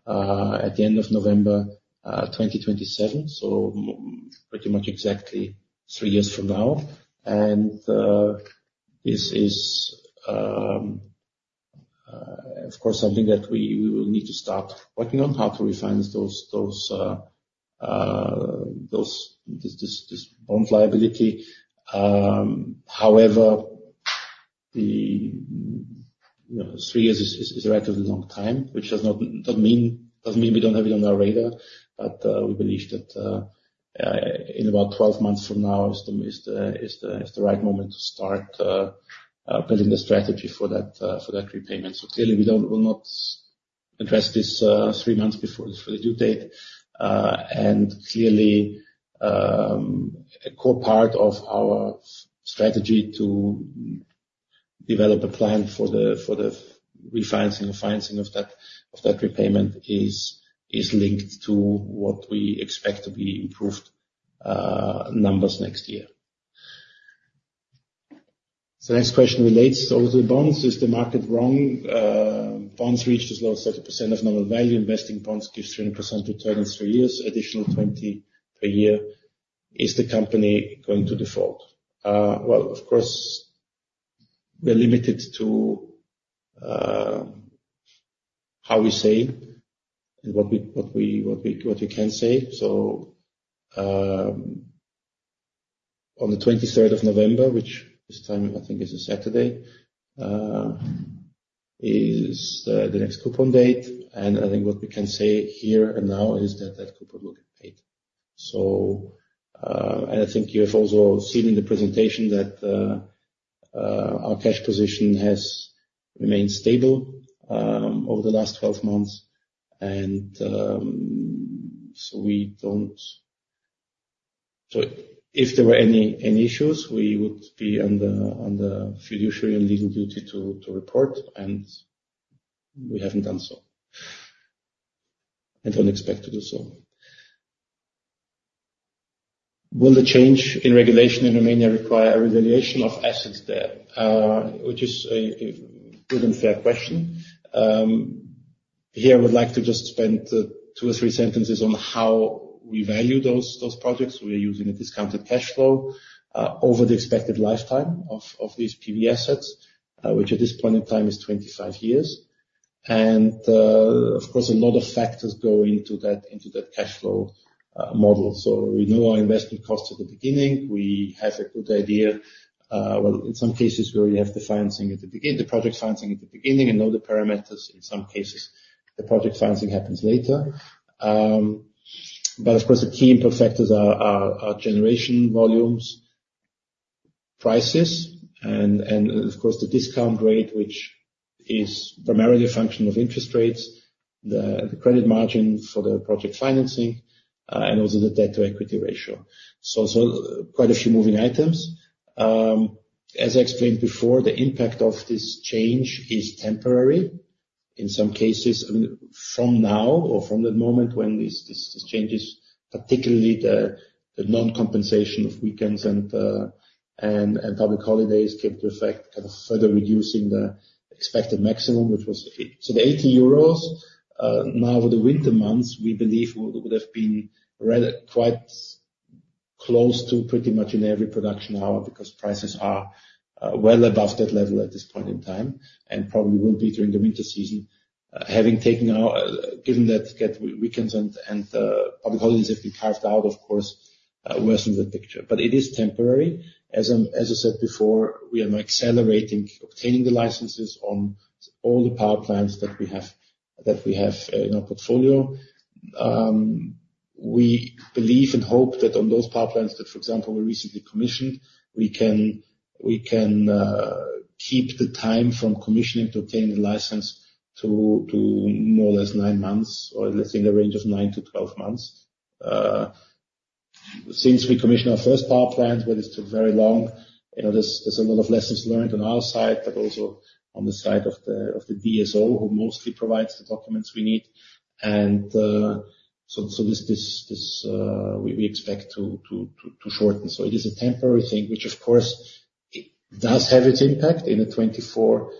at the end of November 2027, so pretty much exactly three years from now. This is, of course, something that we will need to start working on, how to refinance this bond liability. However, three years is a relatively long time, which does not mean we don't have it on our radar. We believe that in about 12 months from now is the right moment to start building the strategy for that repayment. Clearly, we will not address this three months before the due date. Clearly, a core part of our strategy to develop a plan for the refinancing of that repayment is linked to what we expect to be improved numbers next year. The next question relates also to the bonds. Is the market wrong? Bonds reached as low as 30% of nominal value. Investing bonds gives 300% return in three years, additional 20 per year. Is the company going to default? Well, of course, we're limited to how we say and what we can say. So on the 23rd of November, which this time, I think, is a Saturday, is the next coupon date. And I think what we can say here and now is that that coupon will get paid. And I think you have also seen in the presentation that our cash position has remained stable over the last 12 months. And so if there were any issues, we would be under fiduciary and legal duty to report. And we haven't done so and don't expect to do so. Will the change in regulation in Romania require a revaluation of assets there? Which is a good and fair question. Here, I would like to just spend two or three sentences on how we value those projects. We are using a discounted cash flow over the expected lifetime of these PV assets, which at this point in time is 25 years. Of course, a lot of factors go into that cash flow model. We know our investment costs at the beginning. We have a good idea. In some cases, we already have the financing at the beginning, the project financing at the beginning, and know the parameters. In some cases, the project financing happens later. Of course, the key input factors are generation volumes, prices, and of course, the discount rate, which is primarily a function of interest rates, the credit margin for the project financing, and also the debt-to-equity ratio. Quite a few moving items. As I explained before, the impact of this change is temporary. In some cases, from now or from the moment when these changes, particularly the non-compensation of weekends and public holidays, came to effect, kind of further reducing the expected maximum, which was the 18. So the 18 euros, now with the winter months, we believe would have been quite close to pretty much in every production hour because prices are well above that level at this point in time and probably will be during the winter season. Given that weekends and public holidays have been carved out, of course, worsens the picture. But it is temporary. As I said before, we are now accelerating obtaining the licenses on all the power plants that we have in our portfolio. We believe and hope that on those power plants that, for example, we recently commissioned, we can keep the time from commissioning to obtaining the license to more or less nine months or within the range of nine to 12 months. Since we commissioned our first power plant, well, it took very long. There's a lot of lessons learned on our side, but also on the side of the DSO, who mostly provides the documents we need, and so we expect to shorten. It is a temporary thing, which, of course, does have its impact in a 24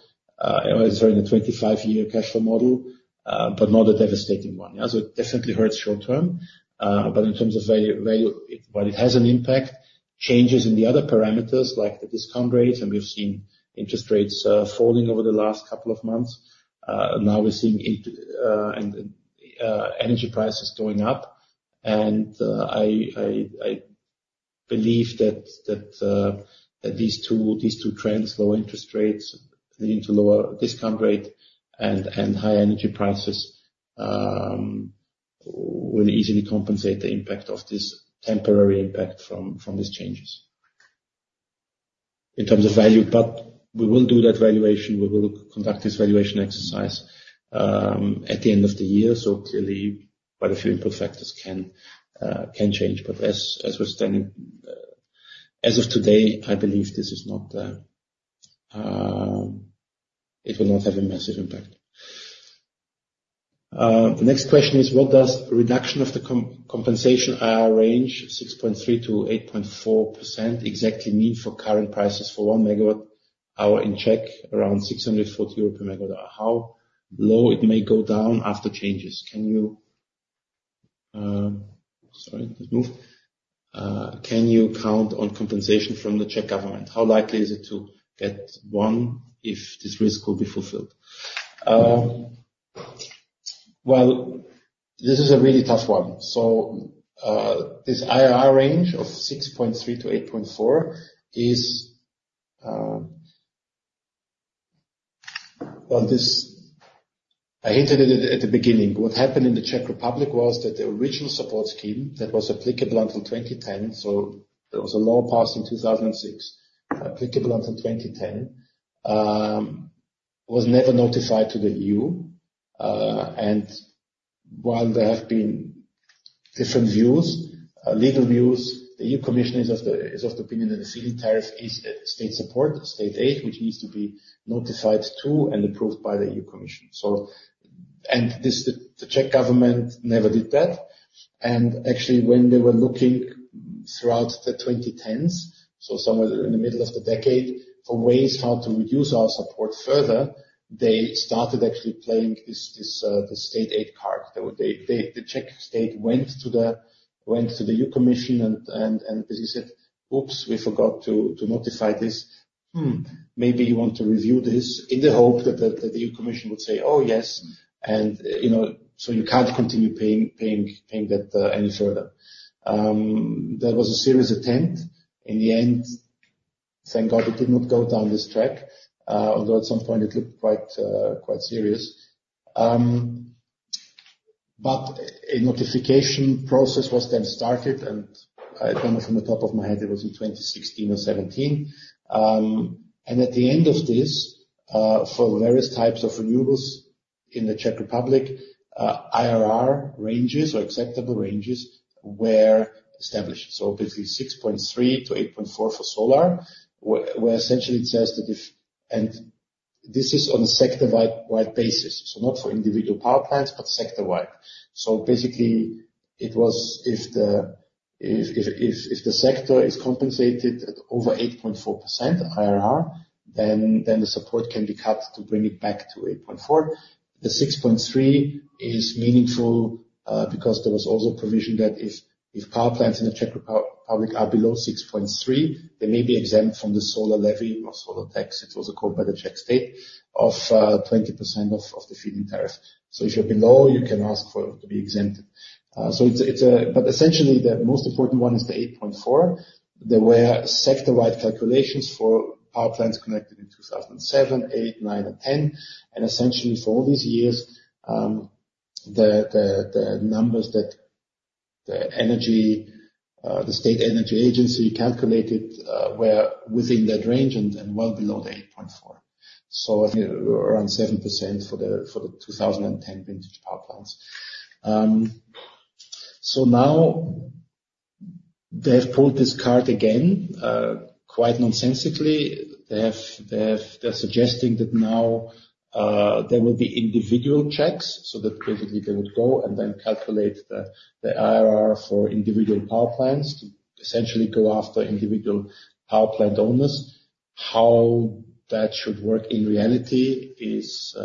or sorry, in a 25-year cash flow model, but not a devastating one. It definitely hurts short term. In terms of value, while it has an impact, changes in the other parameters, like the discount rates, and we've seen interest rates falling over the last couple of months. Now we're seeing energy prices going up, and I believe that these two trends, lower interest rates leading to lower discount rate and high energy prices, will easily compensate the impact of this temporary impact from these changes in terms of value, but we will do that valuation. We will conduct this valuation exercise at the end of the year, so clearly, quite a few input factors can change. But as we're standing as of today, I believe this is not; it will not have a massive impact. The next question is, what does reduction of the compensation IRR range, 6.3%-8.4%, exactly mean for current prices for 1 MWh in Czech around 640 euro per megawatt-hour? How low it may go down after changes? Sorry, just moved. Can you count on compensation from the Czech government? How likely is it to get one if this risk will be fulfilled? Well, this is a really tough one. So this IRR range of 6.3-8.4 is. Well, I hinted at it at the beginning. What happened in the Czech Republic was that the original support scheme that was applicable until 2010, so there was a law passed in 2006, applicable until 2010, was never notified to the EU. And while there have been different views, legal views, the EU Commission is of the opinion that the feed-in tariff is state support, state aid, which needs to be notified to and approved by the EU Commission. And the Czech government never did that. And actually, when they were looking throughout the 2010s, so somewhere in the middle of the decade, for ways how to reduce our support further, they started actually playing this state aid card. The Czech state went to the EU Commission and basically said, "Oops, we forgot to notify this. Maybe you want to review this in the hope that the EU Commission would say, 'Oh, yes.' And so you can't continue paying that any further." That was a serious attempt. In the end, thank God it did not go down this track, although at some point it looked quite serious. But a notification process was then started. And I don't know from the top of my head, it was in 2016 or 2017. And at the end of this, for various types of renewables in the Czech Republic, IRR ranges or acceptable ranges were established. So basically, 6.3-8.4 for solar, where essentially it says that if and this is on a sector-wide basis. So not for individual power plants, but sector-wide. So basically, it was if the sector is compensated at over 8.4% IRR, then the support can be cut to bring it back to 8.4%. The 6.3% is meaningful because there was also a provision that if power plants in the Czech Republic are below 6.3%, they may be exempt from the solar levy or solar tax, it was called by the Czech state, of 20% of the feed-in tariff. So if you're below, you can ask for it to be exempted. But essentially, the most important one is the 8.4%. There were sector-wide calculations for power plants connected in 2007, 2008, 2009, and 2010. And essentially, for all these years, the numbers that the state energy agency calculated were within that range and well below the 8.4%. So, around 7% for the 2010 vintage power plants. So now they have pulled this card again, quite nonsensically. They're suggesting that now there will be individual checks. So that basically, they would go and then calculate the IRR for individual power plants to essentially go after individual power plant owners. How that should work in reality is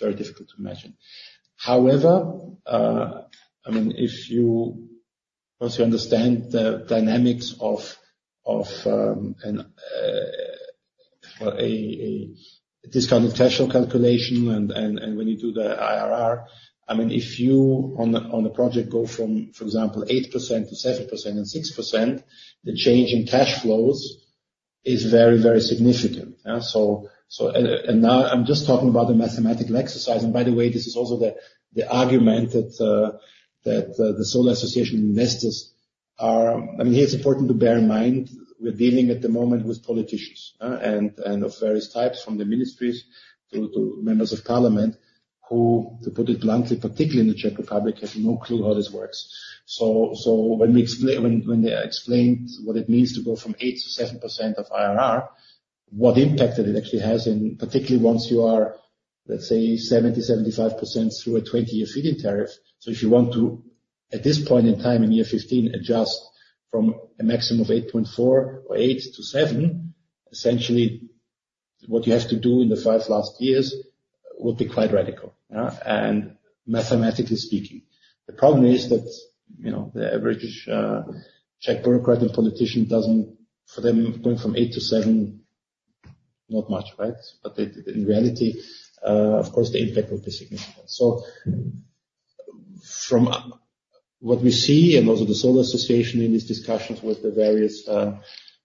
very difficult to imagine. However, I mean, once you understand the dynamics of a discounted cash flow calculation and when you do the IRR, I mean, if you on a project go from, for example, 8%-7% and 6%, the change in cash flows is very, very significant. And now I'm just talking about a mathematical exercise. And by the way, this is also the argument that the Solar Association investors are I mean, here it's important to bear in mind. We're dealing at the moment with politicians and of various types, from the ministries to members of parliament who, to put it bluntly, particularly in the Czech Republic, have no clue how this works. So when they explained what it means to go from 8%-7% of IRR, what impact that it actually has, and particularly once you are, let's say, 70%-75% through a 20-year feed-in tariff. So if you want to, at this point in time, in year 2015, adjust from a maximum of 8.4% or 8%-7%, essentially, what you have to do in the last five years would be quite radical, mathematically speaking. The problem is that the average Czech bureaucrat and politician doesn't, for them, going from 8%-7%, not much, right? But in reality, of course, the impact would be significant. From what we see and also the Solar Association in these discussions with the various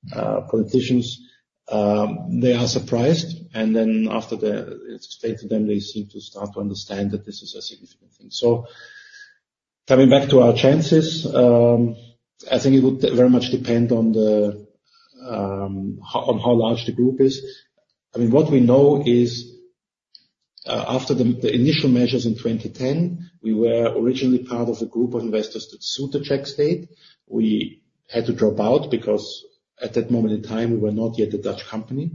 politicians, they are surprised. And then after they explain to them, they seem to start to understand that this is a significant thing. So coming back to our chances, I think it would very much depend on how large the group is. I mean, what we know is after the initial measures in 2010, we were originally part of a group of investors that sued the Czech state. We had to drop out because at that moment in time, we were not yet a Dutch company.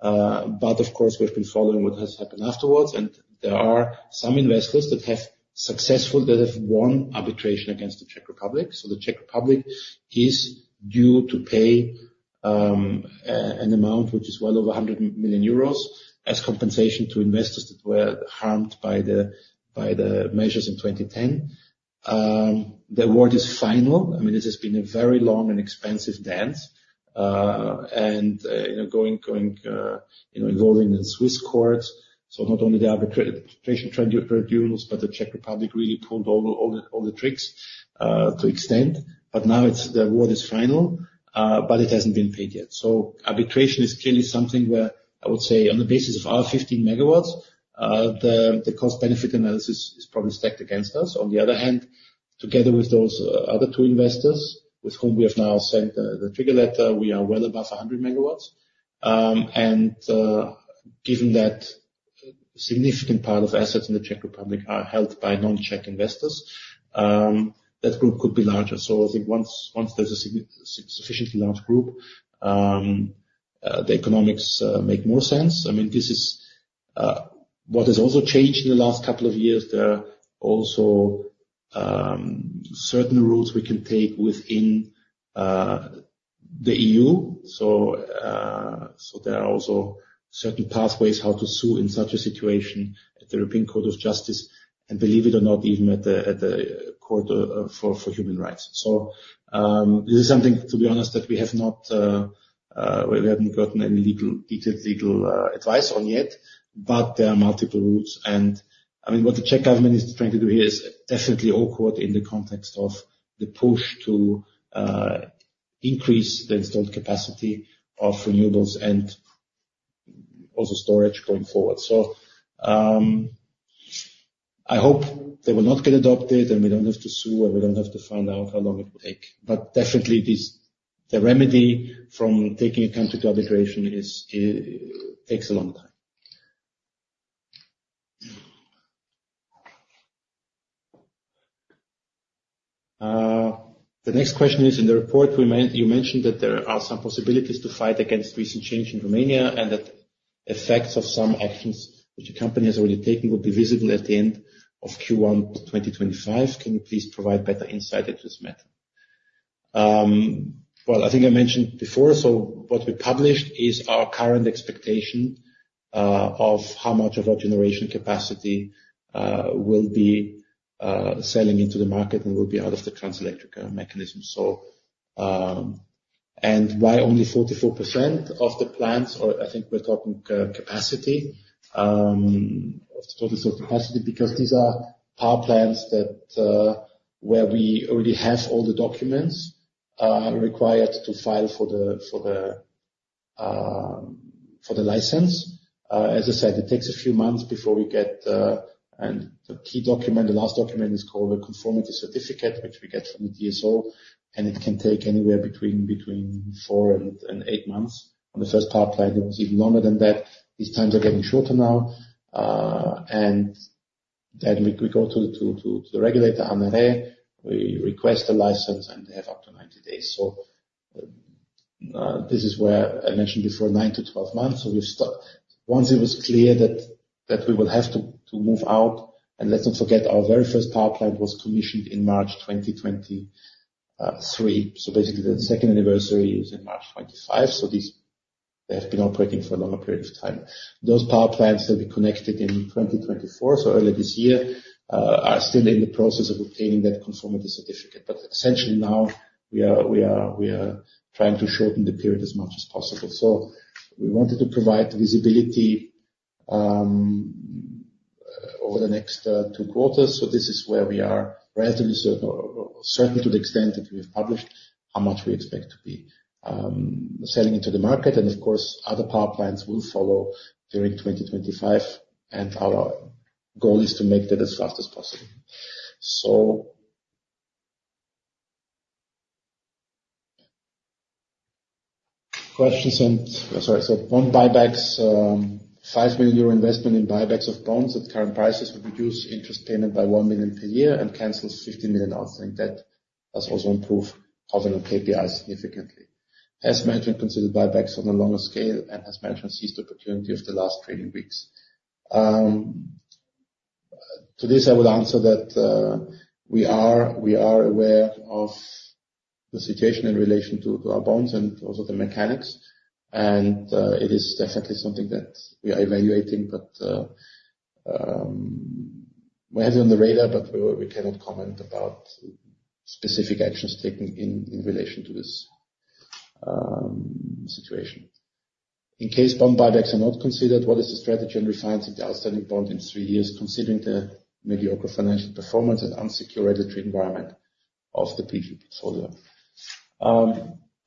But of course, we've been following what has happened afterwards. And there are some investors that have successfully won arbitration against the Czech Republic. The Czech Republic is due to pay an amount which is well over 100 million euros as compensation to investors that were harmed by the measures in 2010. The award is final. I mean, this has been a very long and expensive dance, involving the Swiss courts. Not only the arbitration tribunals, but the Czech Republic really pulled all the tricks to extend. Now the award is final, but it hasn't been paid yet. Arbitration is clearly something where I would say, on the basis of our 15 MW, the cost-benefit analysis is probably stacked against us. On the other hand, together with those other two investors with whom we have now sent the trigger letter, we are well above 100 MW. Given that a significant part of assets in the Czech Republic are held by non-Czech investors, that group could be larger. So I think once there's a sufficiently large group, the economics make more sense. I mean, this is what has also changed in the last couple of years. There are also certain rules we can take within the EU. So there are also certain pathways how to sue in such a situation at the European Court of Justice and, believe it or not, even at the Court for Human Rights. So this is something, to be honest, that we haven't gotten any detailed legal advice on yet. But there are multiple rules. And I mean, what the Czech government is trying to do here is definitely awkward in the context of the push to increase the installed capacity of renewables and also storage going forward. So I hope they will not get adopted and we don't have to sue and we don't have to find out how long it will take. But definitely, the remedy from taking account of the arbitration takes a long time. The next question is, in the report, you mentioned that there are some possibilities to fight against recent change in Romania and that effects of some actions which the company has already taken will be visible at the end of Q1 2025. Can you please provide better insight into this matter? Well, I think I mentioned before, so what we published is our current expectation of how much of our generation capacity will be selling into the market and will be out of the Transelectrica mechanism. And why only 44% of the plants? Or, I think we're talking capacity, total capacity, because these are power plants where we already have all the documents required to file for the license. As I said, it takes a few months before we get the key document. The last document is called a Conformity Certificate, which we get from the DSO, and it can take anywhere between four and eight months. On the first power plant, it was even longer than that. These times are getting shorter now, and then we go to the regulator, ANRE, we request a license, and they have up to 90 days, so this is where, I mentioned before, 9-12 months, so once it was clear that we will have to move out, and let's not forget, our very first power plant was commissioned in March 2023, so basically, the second anniversary is in March 2025. They have been operating for a longer period of time. Those power plants will be connected in 2024, so early this year, are still in the process of obtaining that conformity certificate. Essentially, now we are trying to shorten the period as much as possible. We wanted to provide visibility over the next two quarters. This is where we are relatively certain to the extent that we have published how much we expect to be selling into the market. Of course, other power plants will follow during 2025. Our goal is to make that as fast as possible. Questions and sorry, so bond buybacks, 5 million euro investment in buybacks of bonds at current prices will reduce interest payment by 1 million per year and cancels 15 million outstanding. That does also improve holding on KPIs significantly. Has management considered buybacks on a longer scale and has management seized the opportunity of the last trading weeks? To this, I would answer that we are aware of the situation in relation to our bonds and also the mechanics. It is definitely something that we are evaluating, but we have it on the radar, but we cannot comment about specific actions taken in relation to this situation. In case bond buybacks are not considered, what is the strategy on refinancing the outstanding bond in three years considering the mediocre financial performance and insecure regulatory environment of the PV portfolio?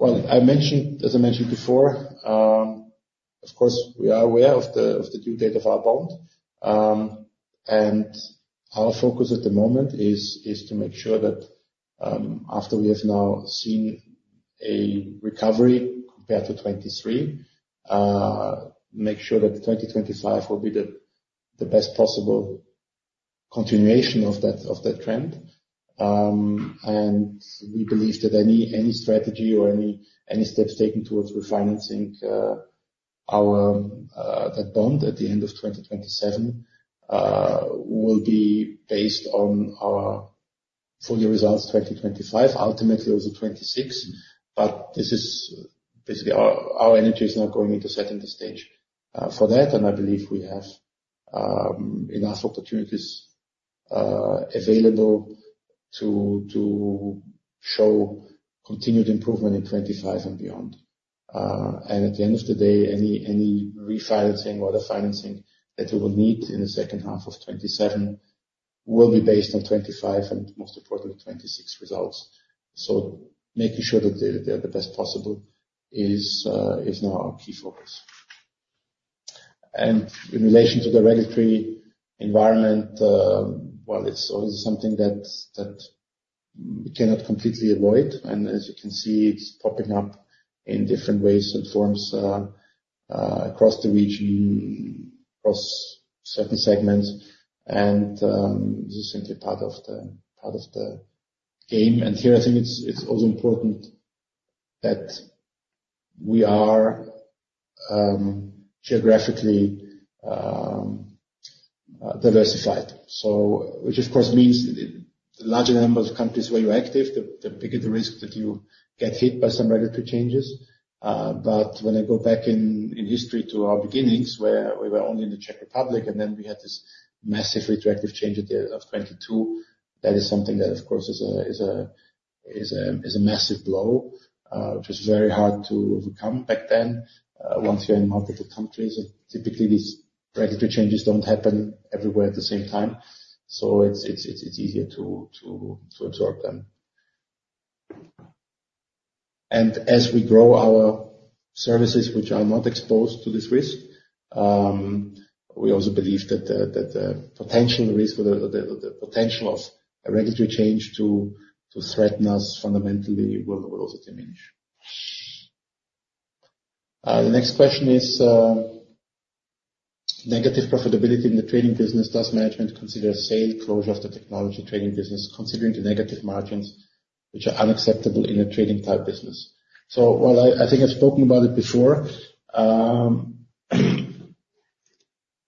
As I mentioned before, of course, we are aware of the due date of our bond. Our focus at the moment is to make sure that after we have now seen a recovery compared to 2023, make sure that 2025 will be the best possible continuation of that trend. We believe that any strategy or any steps taken towards refinancing that bond at the end of 2027 will be based on our full results 2025, ultimately also 2026. But basically, our energy is now going into second stage for that. I believe we have enough opportunities available to show continued improvement in 2025 and beyond. At the end of the day, any refinancing or other financing that we will need in the second half of 2027 will be based on 2025 and, most importantly, 2026 results. Making sure that they are the best possible is now our key focus. In relation to the regulatory environment, well, it's always something that we cannot completely avoid. And as you can see, it's popping up in different ways and forms across the region, across certain segments. And this is simply part of the game. And here, I think it's also important that we are geographically diversified, which, of course, means the larger number of countries where you're active, the bigger the risk that you get hit by some regulatory changes. But when I go back in history to our beginnings, where we were only in the Czech Republic, and then we had this massive retroactive change at the end of 2022, that is something that, of course, is a massive blow, which was very hard to overcome back then. Once you're in multiple countries, typically, these regulatory changes don't happen everywhere at the same time. So it's easier to absorb them. As we grow our services, which are not exposed to this risk, we also believe that the potential risk, the potential of a regulatory change to threaten us fundamentally will also diminish. The next question is negative profitability in the trading business. Does management consider sale closure of the technology trading business considering the negative margins which are unacceptable in a trading-type business? While I think I've spoken about it before,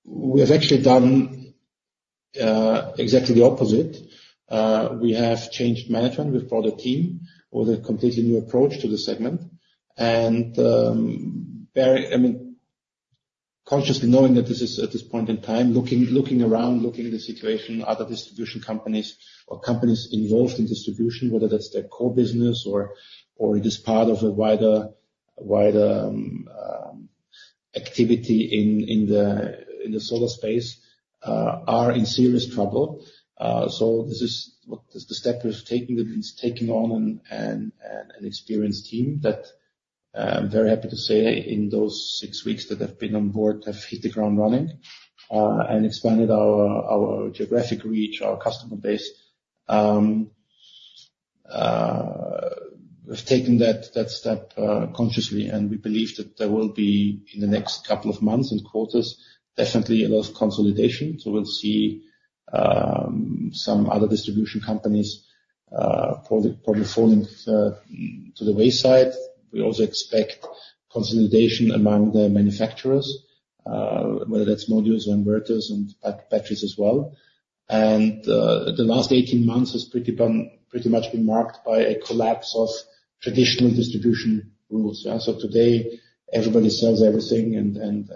we have actually done exactly the opposite. We have changed management. We've brought a team with a completely new approach to the segment. I mean, consciously knowing that this is at this point in time, looking around, looking at the situation, other distribution companies or companies involved in distribution, whether that's their core business or it is part of a wider activity in the solar space, are in serious trouble. So this is the step we've taken on an experienced team that I'm very happy to say in those six weeks that I've been on board have hit the ground running and expanded our geographic reach, our customer base. We've taken that step consciously. And we believe that there will be in the next couple of months and quarters definitely a lot of consolidation. So we'll see some other distribution companies probably falling to the wayside. We also expect consolidation among the manufacturers, whether that's modules or inverters and batteries as well. And the last 18 months has pretty much been marked by a collapse of traditional distribution rules. So today, everybody sells everything. And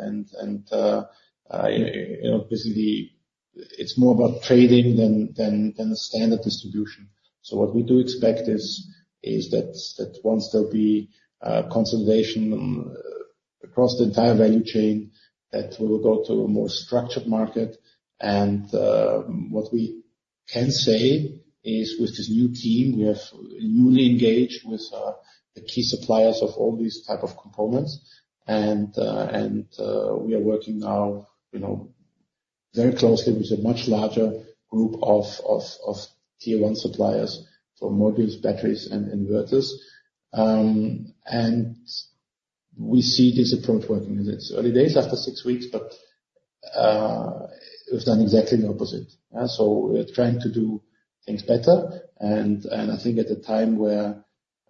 basically, it's more about trading than standard distribution. So what we do expect is that once there'll be consolidation across the entire value chain, that we will go to a more structured market. And what we can say is, with this new team, we have newly engaged with the key suppliers of all these types of components. And we are working now very closely with a much larger group of tier one suppliers for modules, batteries, and inverters. And we see this approach working. It's early days after six weeks, but we've done exactly the opposite. So we're trying to do things better. And I think at a time where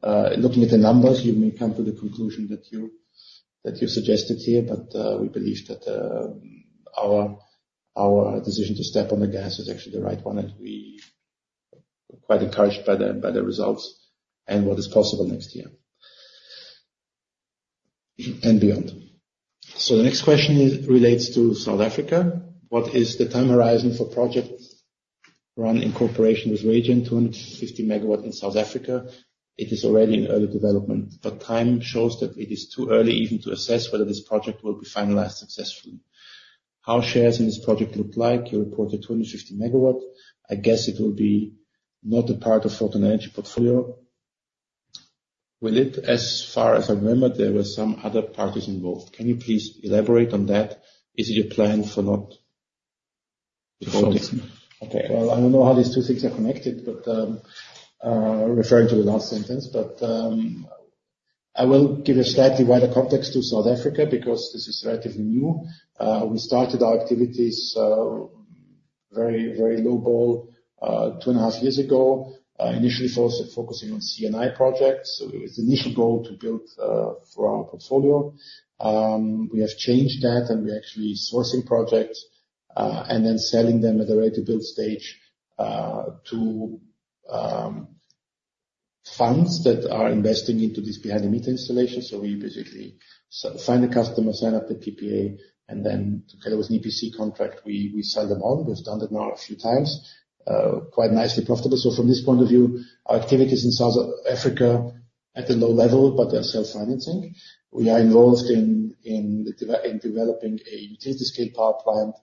looking at the numbers, you may come to the conclusion that you suggested here. But we believe that our decision to step on the gas is actually the right one. And we are quite encouraged by the results and what is possible next year and beyond. So the next question relates to South Africa. What is the time horizon for project run in cooperation with RayGen 250 MW in South Africa? It is already in early development. But time shows that it is too early even to assess whether this project will be finalized successfully. How shares in this project look like? You reported 250 MW. I guess it will be not a part of Photon Energy portfolio. With it, as far as I remember, there were some other parties involved. Can you please elaborate on that? Is it your plan for not? Okay. Well, I don't know how these two things are connected, but referring to the last sentence, I will give a slightly wider context to South Africa because this is relatively new. We started our activities very low-key two and a half years ago, initially focusing on C&I projects. So it's the initial goal to build for our portfolio. We have changed that, and we're actually sourcing projects and then selling them at the ready-to-build stage to funds that are investing into these behind-the-meter installations, so we basically find a customer, sign up the PPA, and then together with an EPC contract, we sell them on. We've done that now a few times, quite nicely profitable, so from this point of view, our activities in South Africa at a low level, but they're self-financing. We are involved in developing a utility-scale power plant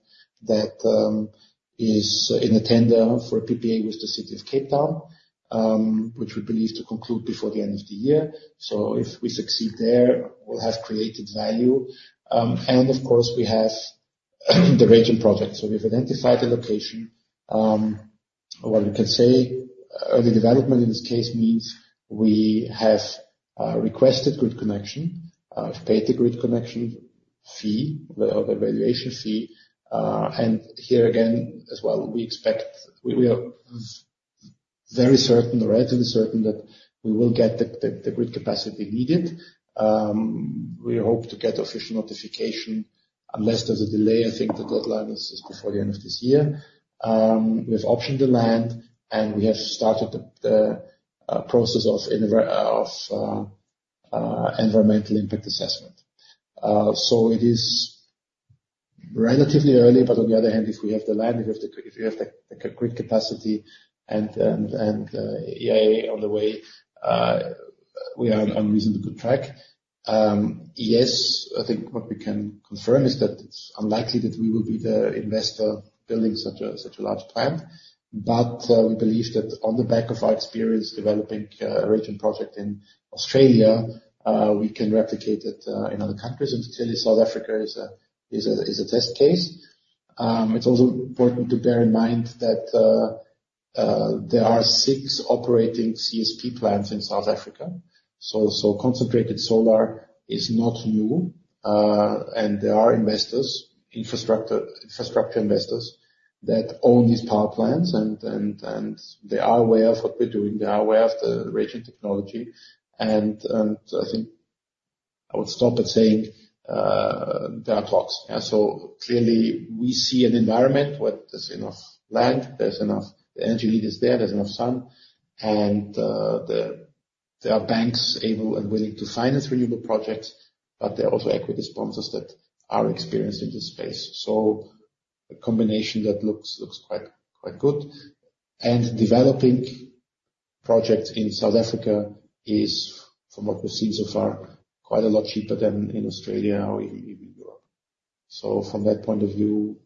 that is in a tender for a PPA with the city of Cape Town, which we believe to conclude before the end of the year, so if we succeed there, we'll have created value, and of course, we have the RayGen project, so we've identified a location. What we can say, early development in this case means we have requested grid connection, paid the grid connection fee, the valuation fee, and here again as well, we expect we are very certain, relatively certain that we will get the grid capacity needed. We hope to get official notification unless there's a delay. I think the deadline is before the end of this year. We have optioned the land, and we have started the process of environmental impact assessment, so it is relatively early, but on the other hand, if we have the land, if we have the grid capacity and EIA on the way, we are on reasonably good track. Yes, I think what we can confirm is that it's unlikely that we will be the investor building such a large plant. But we believe that on the back of our experience developing a RayGen project in Australia, we can replicate it in other countries. And clearly, South Africa is a test case. It's also important to bear in mind that there are six operating CSP plants in South Africa. So concentrated solar is not new. And there are infrastructure investors that own these power plants. And they are aware of what we're doing. They are aware of the RayGen technology. And I think I would stop at saying there are talks. So clearly, we see an environment where there's enough land, there's enough energy needed there, there's enough sun. And there are banks able and willing to finance renewable projects, but there are also equity sponsors that are experienced in this space. So a combination that looks quite good. Developing projects in South Africa is, from what we've seen so far, quite a lot cheaper than in Australia or even Europe. From that point of view,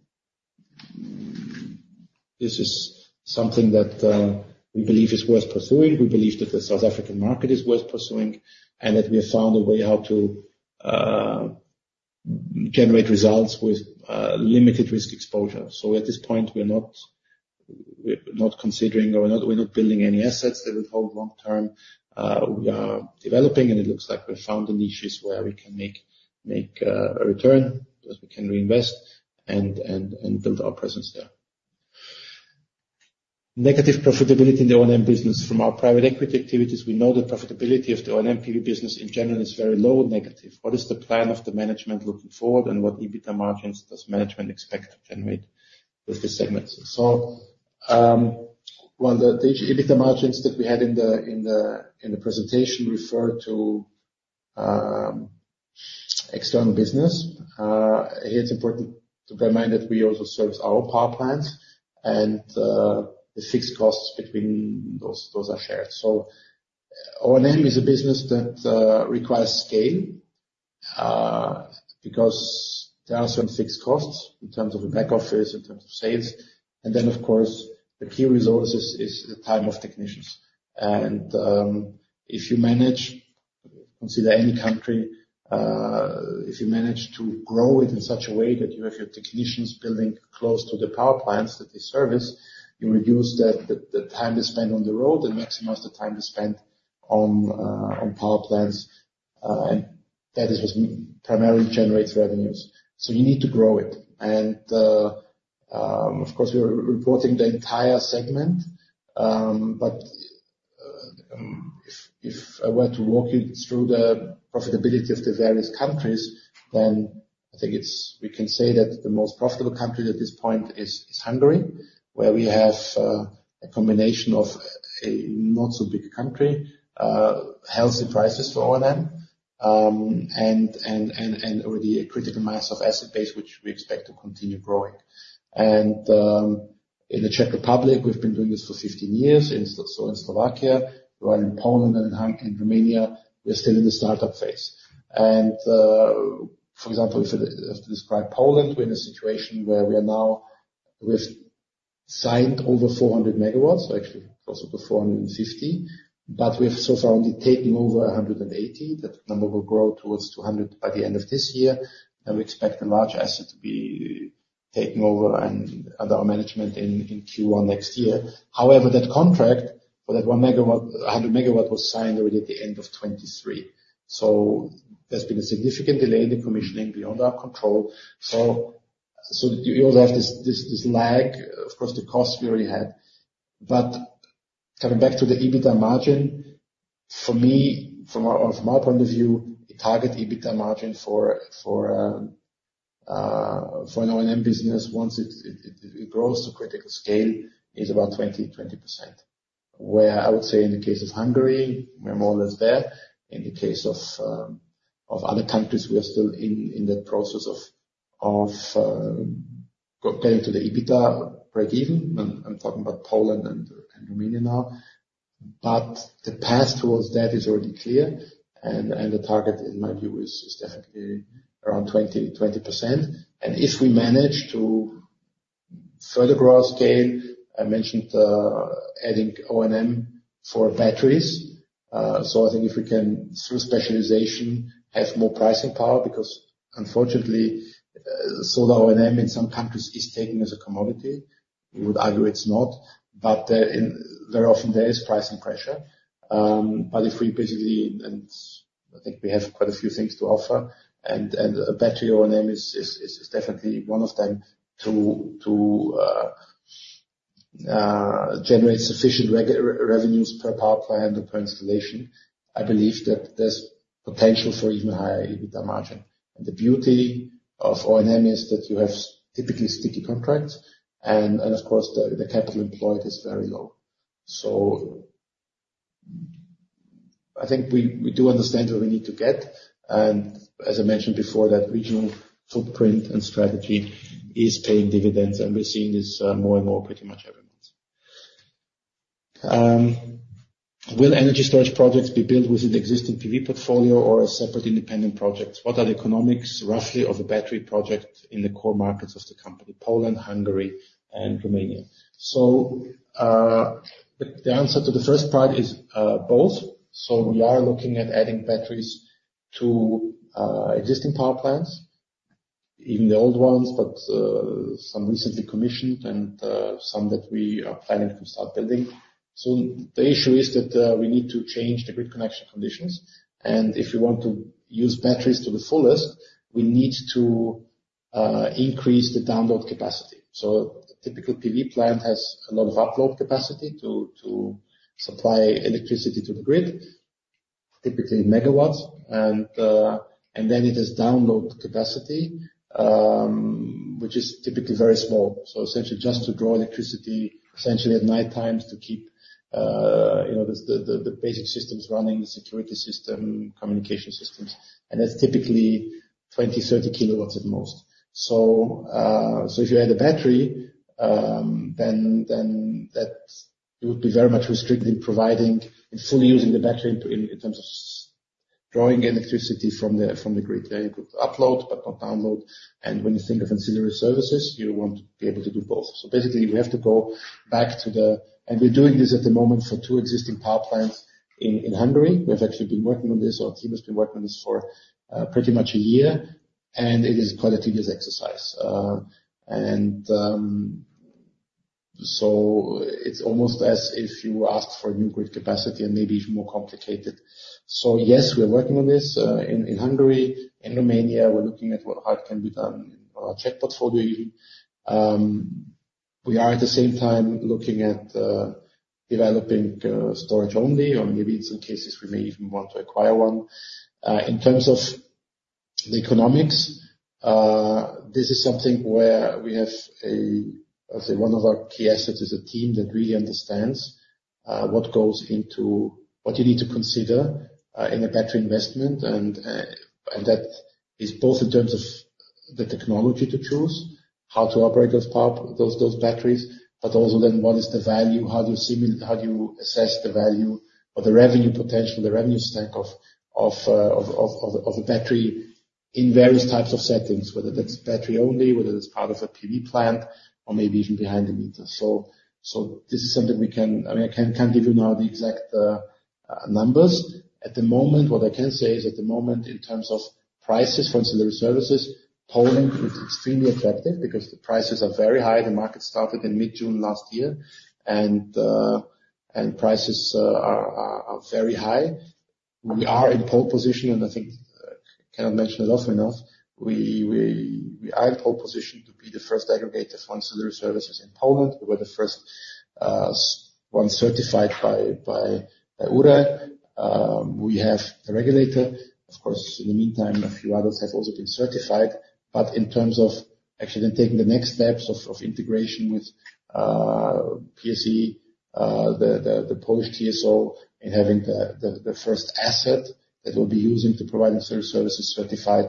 this is something that we believe is worth pursuing. We believe that the South African market is worth pursuing and that we have found a way how to generate results with limited risk exposure. At this point, we're not considering or we're not building any assets that would hold long term. We are developing, and it looks like we've found the niches where we can make a return because we can reinvest and build our presence there. Negative profitability in the O&M business. From our private equity activities, we know the profitability of the O&M PV business in general is very low negative. What is the plan of the management looking forward, and what EBITDA margins does management expect to generate with the segments? So while the EBITDA margins that we had in the presentation referred to external business, it's important to bear in mind that we also service our power plants, and the fixed costs between those are shared. So O&M is a business that requires scale because there are some fixed costs in terms of a back office, in terms of sales. And then, of course, the key resource is the time of technicians. And if you consider any country, if you manage to grow it in such a way that you have your technicians based close to the power plants that they service, you reduce the time they spend on the road and maximize the time they spend on power plants. And that is what primarily generates revenues. You need to grow it. And of course, we're reporting the entire segment. But if I were to walk you through the profitability of the various countries, then I think we can say that the most profitable country at this point is Hungary, where we have a combination of a not-so-big country, healthy prices for O&M, and already a critical mass of asset base, which we expect to continue growing. And in the Czech Republic, we've been doing this for 15 years. So in Slovakia, while in Poland and in Romania, we're still in the startup phase. And for example, if I have to describe Poland, we're in a situation where we've signed over 400 MW, actually close to 450 MW. But we've so far only taken over 180 MW. That number will grow towards 200 MW by the end of this year. We expect a large asset to be taken over under our management in Q1 next year. However, that contract for that 100 MW was signed already at the end of 2023. So there's been a significant delay in the commissioning beyond our control. So you also have this lag, of course, the cost we already had. But coming back to the EBITDA margin, for me, from our point of view, the target EBITDA margin for an O&M business, once it grows to critical scale, is about 20%. Where I would say in the case of Hungary, we're more or less there. In the case of other countries, we are still in the process of getting to the EBITDA break-even. I'm talking about Poland and Romania now. But the path towards that is already clear. And the target, in my view, is definitely around 20%. And if we manage to further grow our scale, I mentioned adding O&M for batteries. So I think if we can, through specialization, have more pricing power because, unfortunately, solar O&M in some countries is taken as a commodity. We would argue it's not. But very often, there is pricing pressure. But if we basically, and I think we have quite a few things to offer, and battery O&M is definitely one of them to generate sufficient revenues per power plant or per installation, I believe that there's potential for even higher EBITDA margin. And the beauty of O&M is that you have typically sticky contracts. And of course, the capital employed is very low. So I think we do understand where we need to get. And as I mentioned before, that regional footprint and strategy is paying dividends. And we're seeing this more and more pretty much every month. Will energy storage projects be built within the existing PV portfolio or a separate independent project? What are the economics, roughly, of a battery project in the core markets of the company: Poland, Hungary, and Romania? So the answer to the first part is both. So we are looking at adding batteries to existing power plants, even the old ones, but some recently commissioned and some that we are planning to start building. So the issue is that we need to change the grid connection conditions. And if we want to use batteries to the fullest, we need to increase the download capacity. So a typical PV plant has a lot of upload capacity to supply electricity to the grid, typically megawatts. And then it has download capacity, which is typically very small. So essentially, just to draw electricity, essentially at nighttime, to keep the basic systems running, the security system, communication systems. And that's typically 20 kW-30 kW at most. So if you add a battery, then it would be very much restricted in fully using the battery in terms of drawing electricity from the grid. You could upload, but not download. And when you think of ancillary services, you want to be able to do both. So basically, we have to go back to the, and we're doing this at the moment for two existing power plants in Hungary. We've actually been working on this. Our team has been working on this for pretty much a year. And it is quite a tedious exercise. And so it's almost as if you ask for new grid capacity and maybe even more complicated. So yes, we're working on this in Hungary. In Romania, we're looking at what can be done in our Czech portfolio even. We are, at the same time, looking at developing storage only, or maybe in some cases, we may even want to acquire one. In terms of the economics, this is something where we have a - I would say one of our key assets is a team that really understands what goes into what you need to consider in a battery investment. And that is both in terms of the technology to choose, how to operate those batteries, but also then what is the value, how do you assess the value or the revenue potential, the revenue stack of a battery in various types of settings, whether that's battery only, whether that's part of a PV plant, or maybe even behind the meter. So this is something we can I mean, I can't give you now the exact numbers. At the moment, what I can say is at the moment, in terms of prices, for ancillary services, Poland is extremely attractive because the prices are very high. The market started in mid-June last year, and prices are very high. We are in pole position, and I think I cannot mention it often enough. We are in pole position to be the first aggregator for ancillary services in Poland. We were the first one certified by URE. We have a regulator. Of course, in the meantime, a few others have also been certified. But in terms of actually then taking the next steps of integration with PSE, the Polish TSO, and having the first asset that we'll be using to provide ancillary services certified,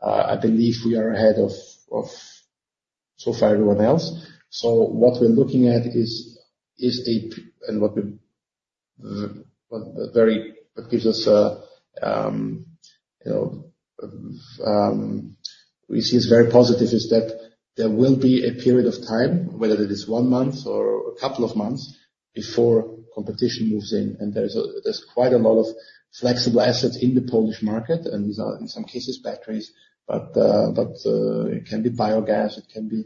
I believe we are ahead of so far everyone else. So what we're looking at is, and what gives us, we see it's very positive, is that there will be a period of time, whether it is one month or a couple of months, before competition moves in, and there's quite a lot of flexible assets in the Polish market, and these are, in some cases, batteries, but it can be biogas. It can be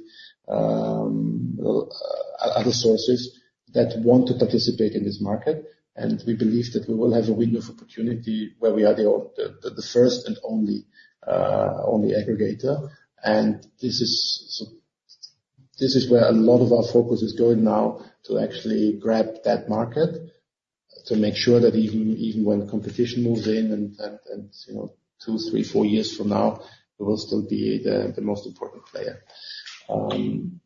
other sources that want to participate in this market, and we believe that we will have a window of opportunity where we are the first and only aggregator, and this is where a lot of our focus is going now, to actually grab that market, to make sure that even when competition moves in and two, three, four years from now, we will still be the most important player. And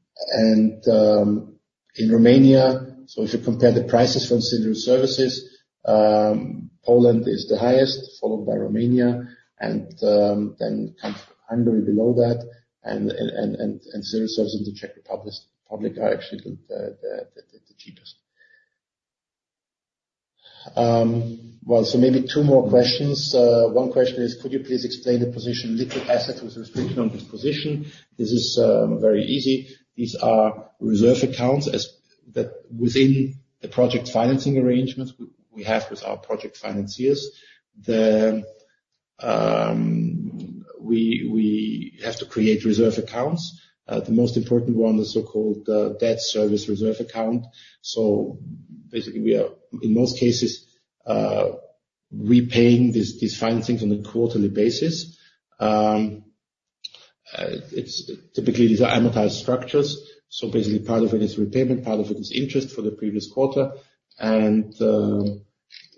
in Romania, so if you compare the prices for ancillary services, Poland is the highest, followed by Romania, and then Hungary below that. And ancillary services in the Czech Republic are actually the cheapest. Well, so maybe two more questions. One question is, could you please explain the position liquid asset with restriction on disposition? This is very easy. These are reserve accounts within the project financing arrangements we have with our project financiers. We have to create reserve accounts. The most important one is so-called debt service reserve account. So basically, we are, in most cases, repaying these financings on a quarterly basis. Typically, these are amortized structures. So basically, part of it is repayment, part of it is interest for the previous quarter.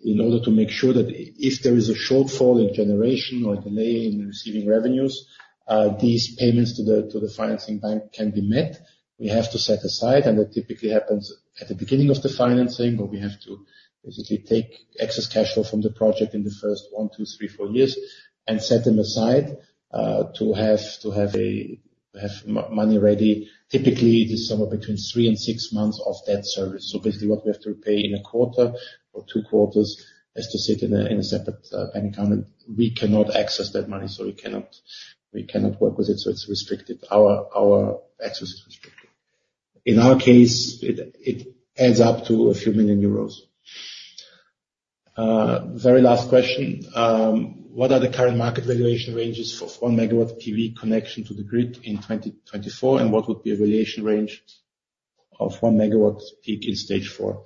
In order to make sure that if there is a shortfall in generation or a delay in receiving revenues, these payments to the financing bank can be met, we have to set aside. That typically happens at the beginning of the financing, where we have to basically take excess cash flow from the project in the first one, two, three, four years and set them aside to have a money ready. Typically, it is somewhere between three and six months of debt service. Basically, what we have to repay in a quarter or two quarters has to sit in a separate bank account. We cannot access that money, so we cannot work with it. It's restricted. Our access is restricted. In our case, it adds up to a few million Euros. Very last question. What are the current market valuation ranges for 1 MW PV connection to the grid in 2024? And what would be a valuation range of 1 MWp in stage four?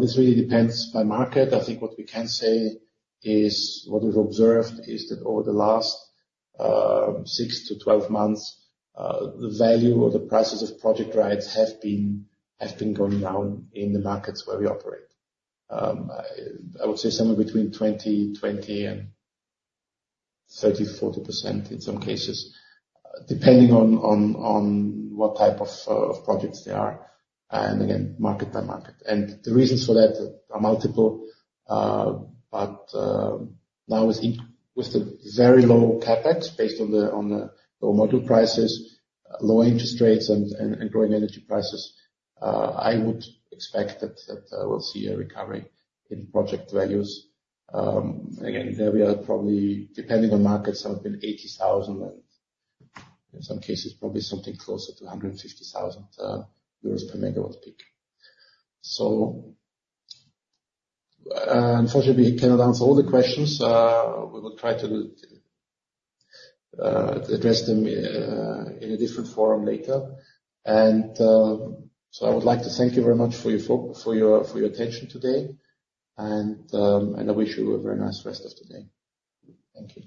This really depends on market. I think what we can say is, what we've observed is that over the last 6-12 months, the value or the prices of project rights have been going down in the markets where we operate. I would say somewhere between 20% and 30%-40% in some cases, depending on what type of projects they are. And again, market by market. And the reasons for that are multiple, but now with the very low CapEx based on the low module prices, low interest rates, and growing energy prices, I would expect that we'll see a recovery in project values. Again, there we are probably, depending on markets, somewhere between 80,000 and, in some cases, probably something closer to 150,000 euros per megawatt peak. So unfortunately, we cannot answer all the questions. We will try to address them in a different forum later. And so I would like to thank you very much for your attention today. And I wish you a very nice rest of the day. Thank you.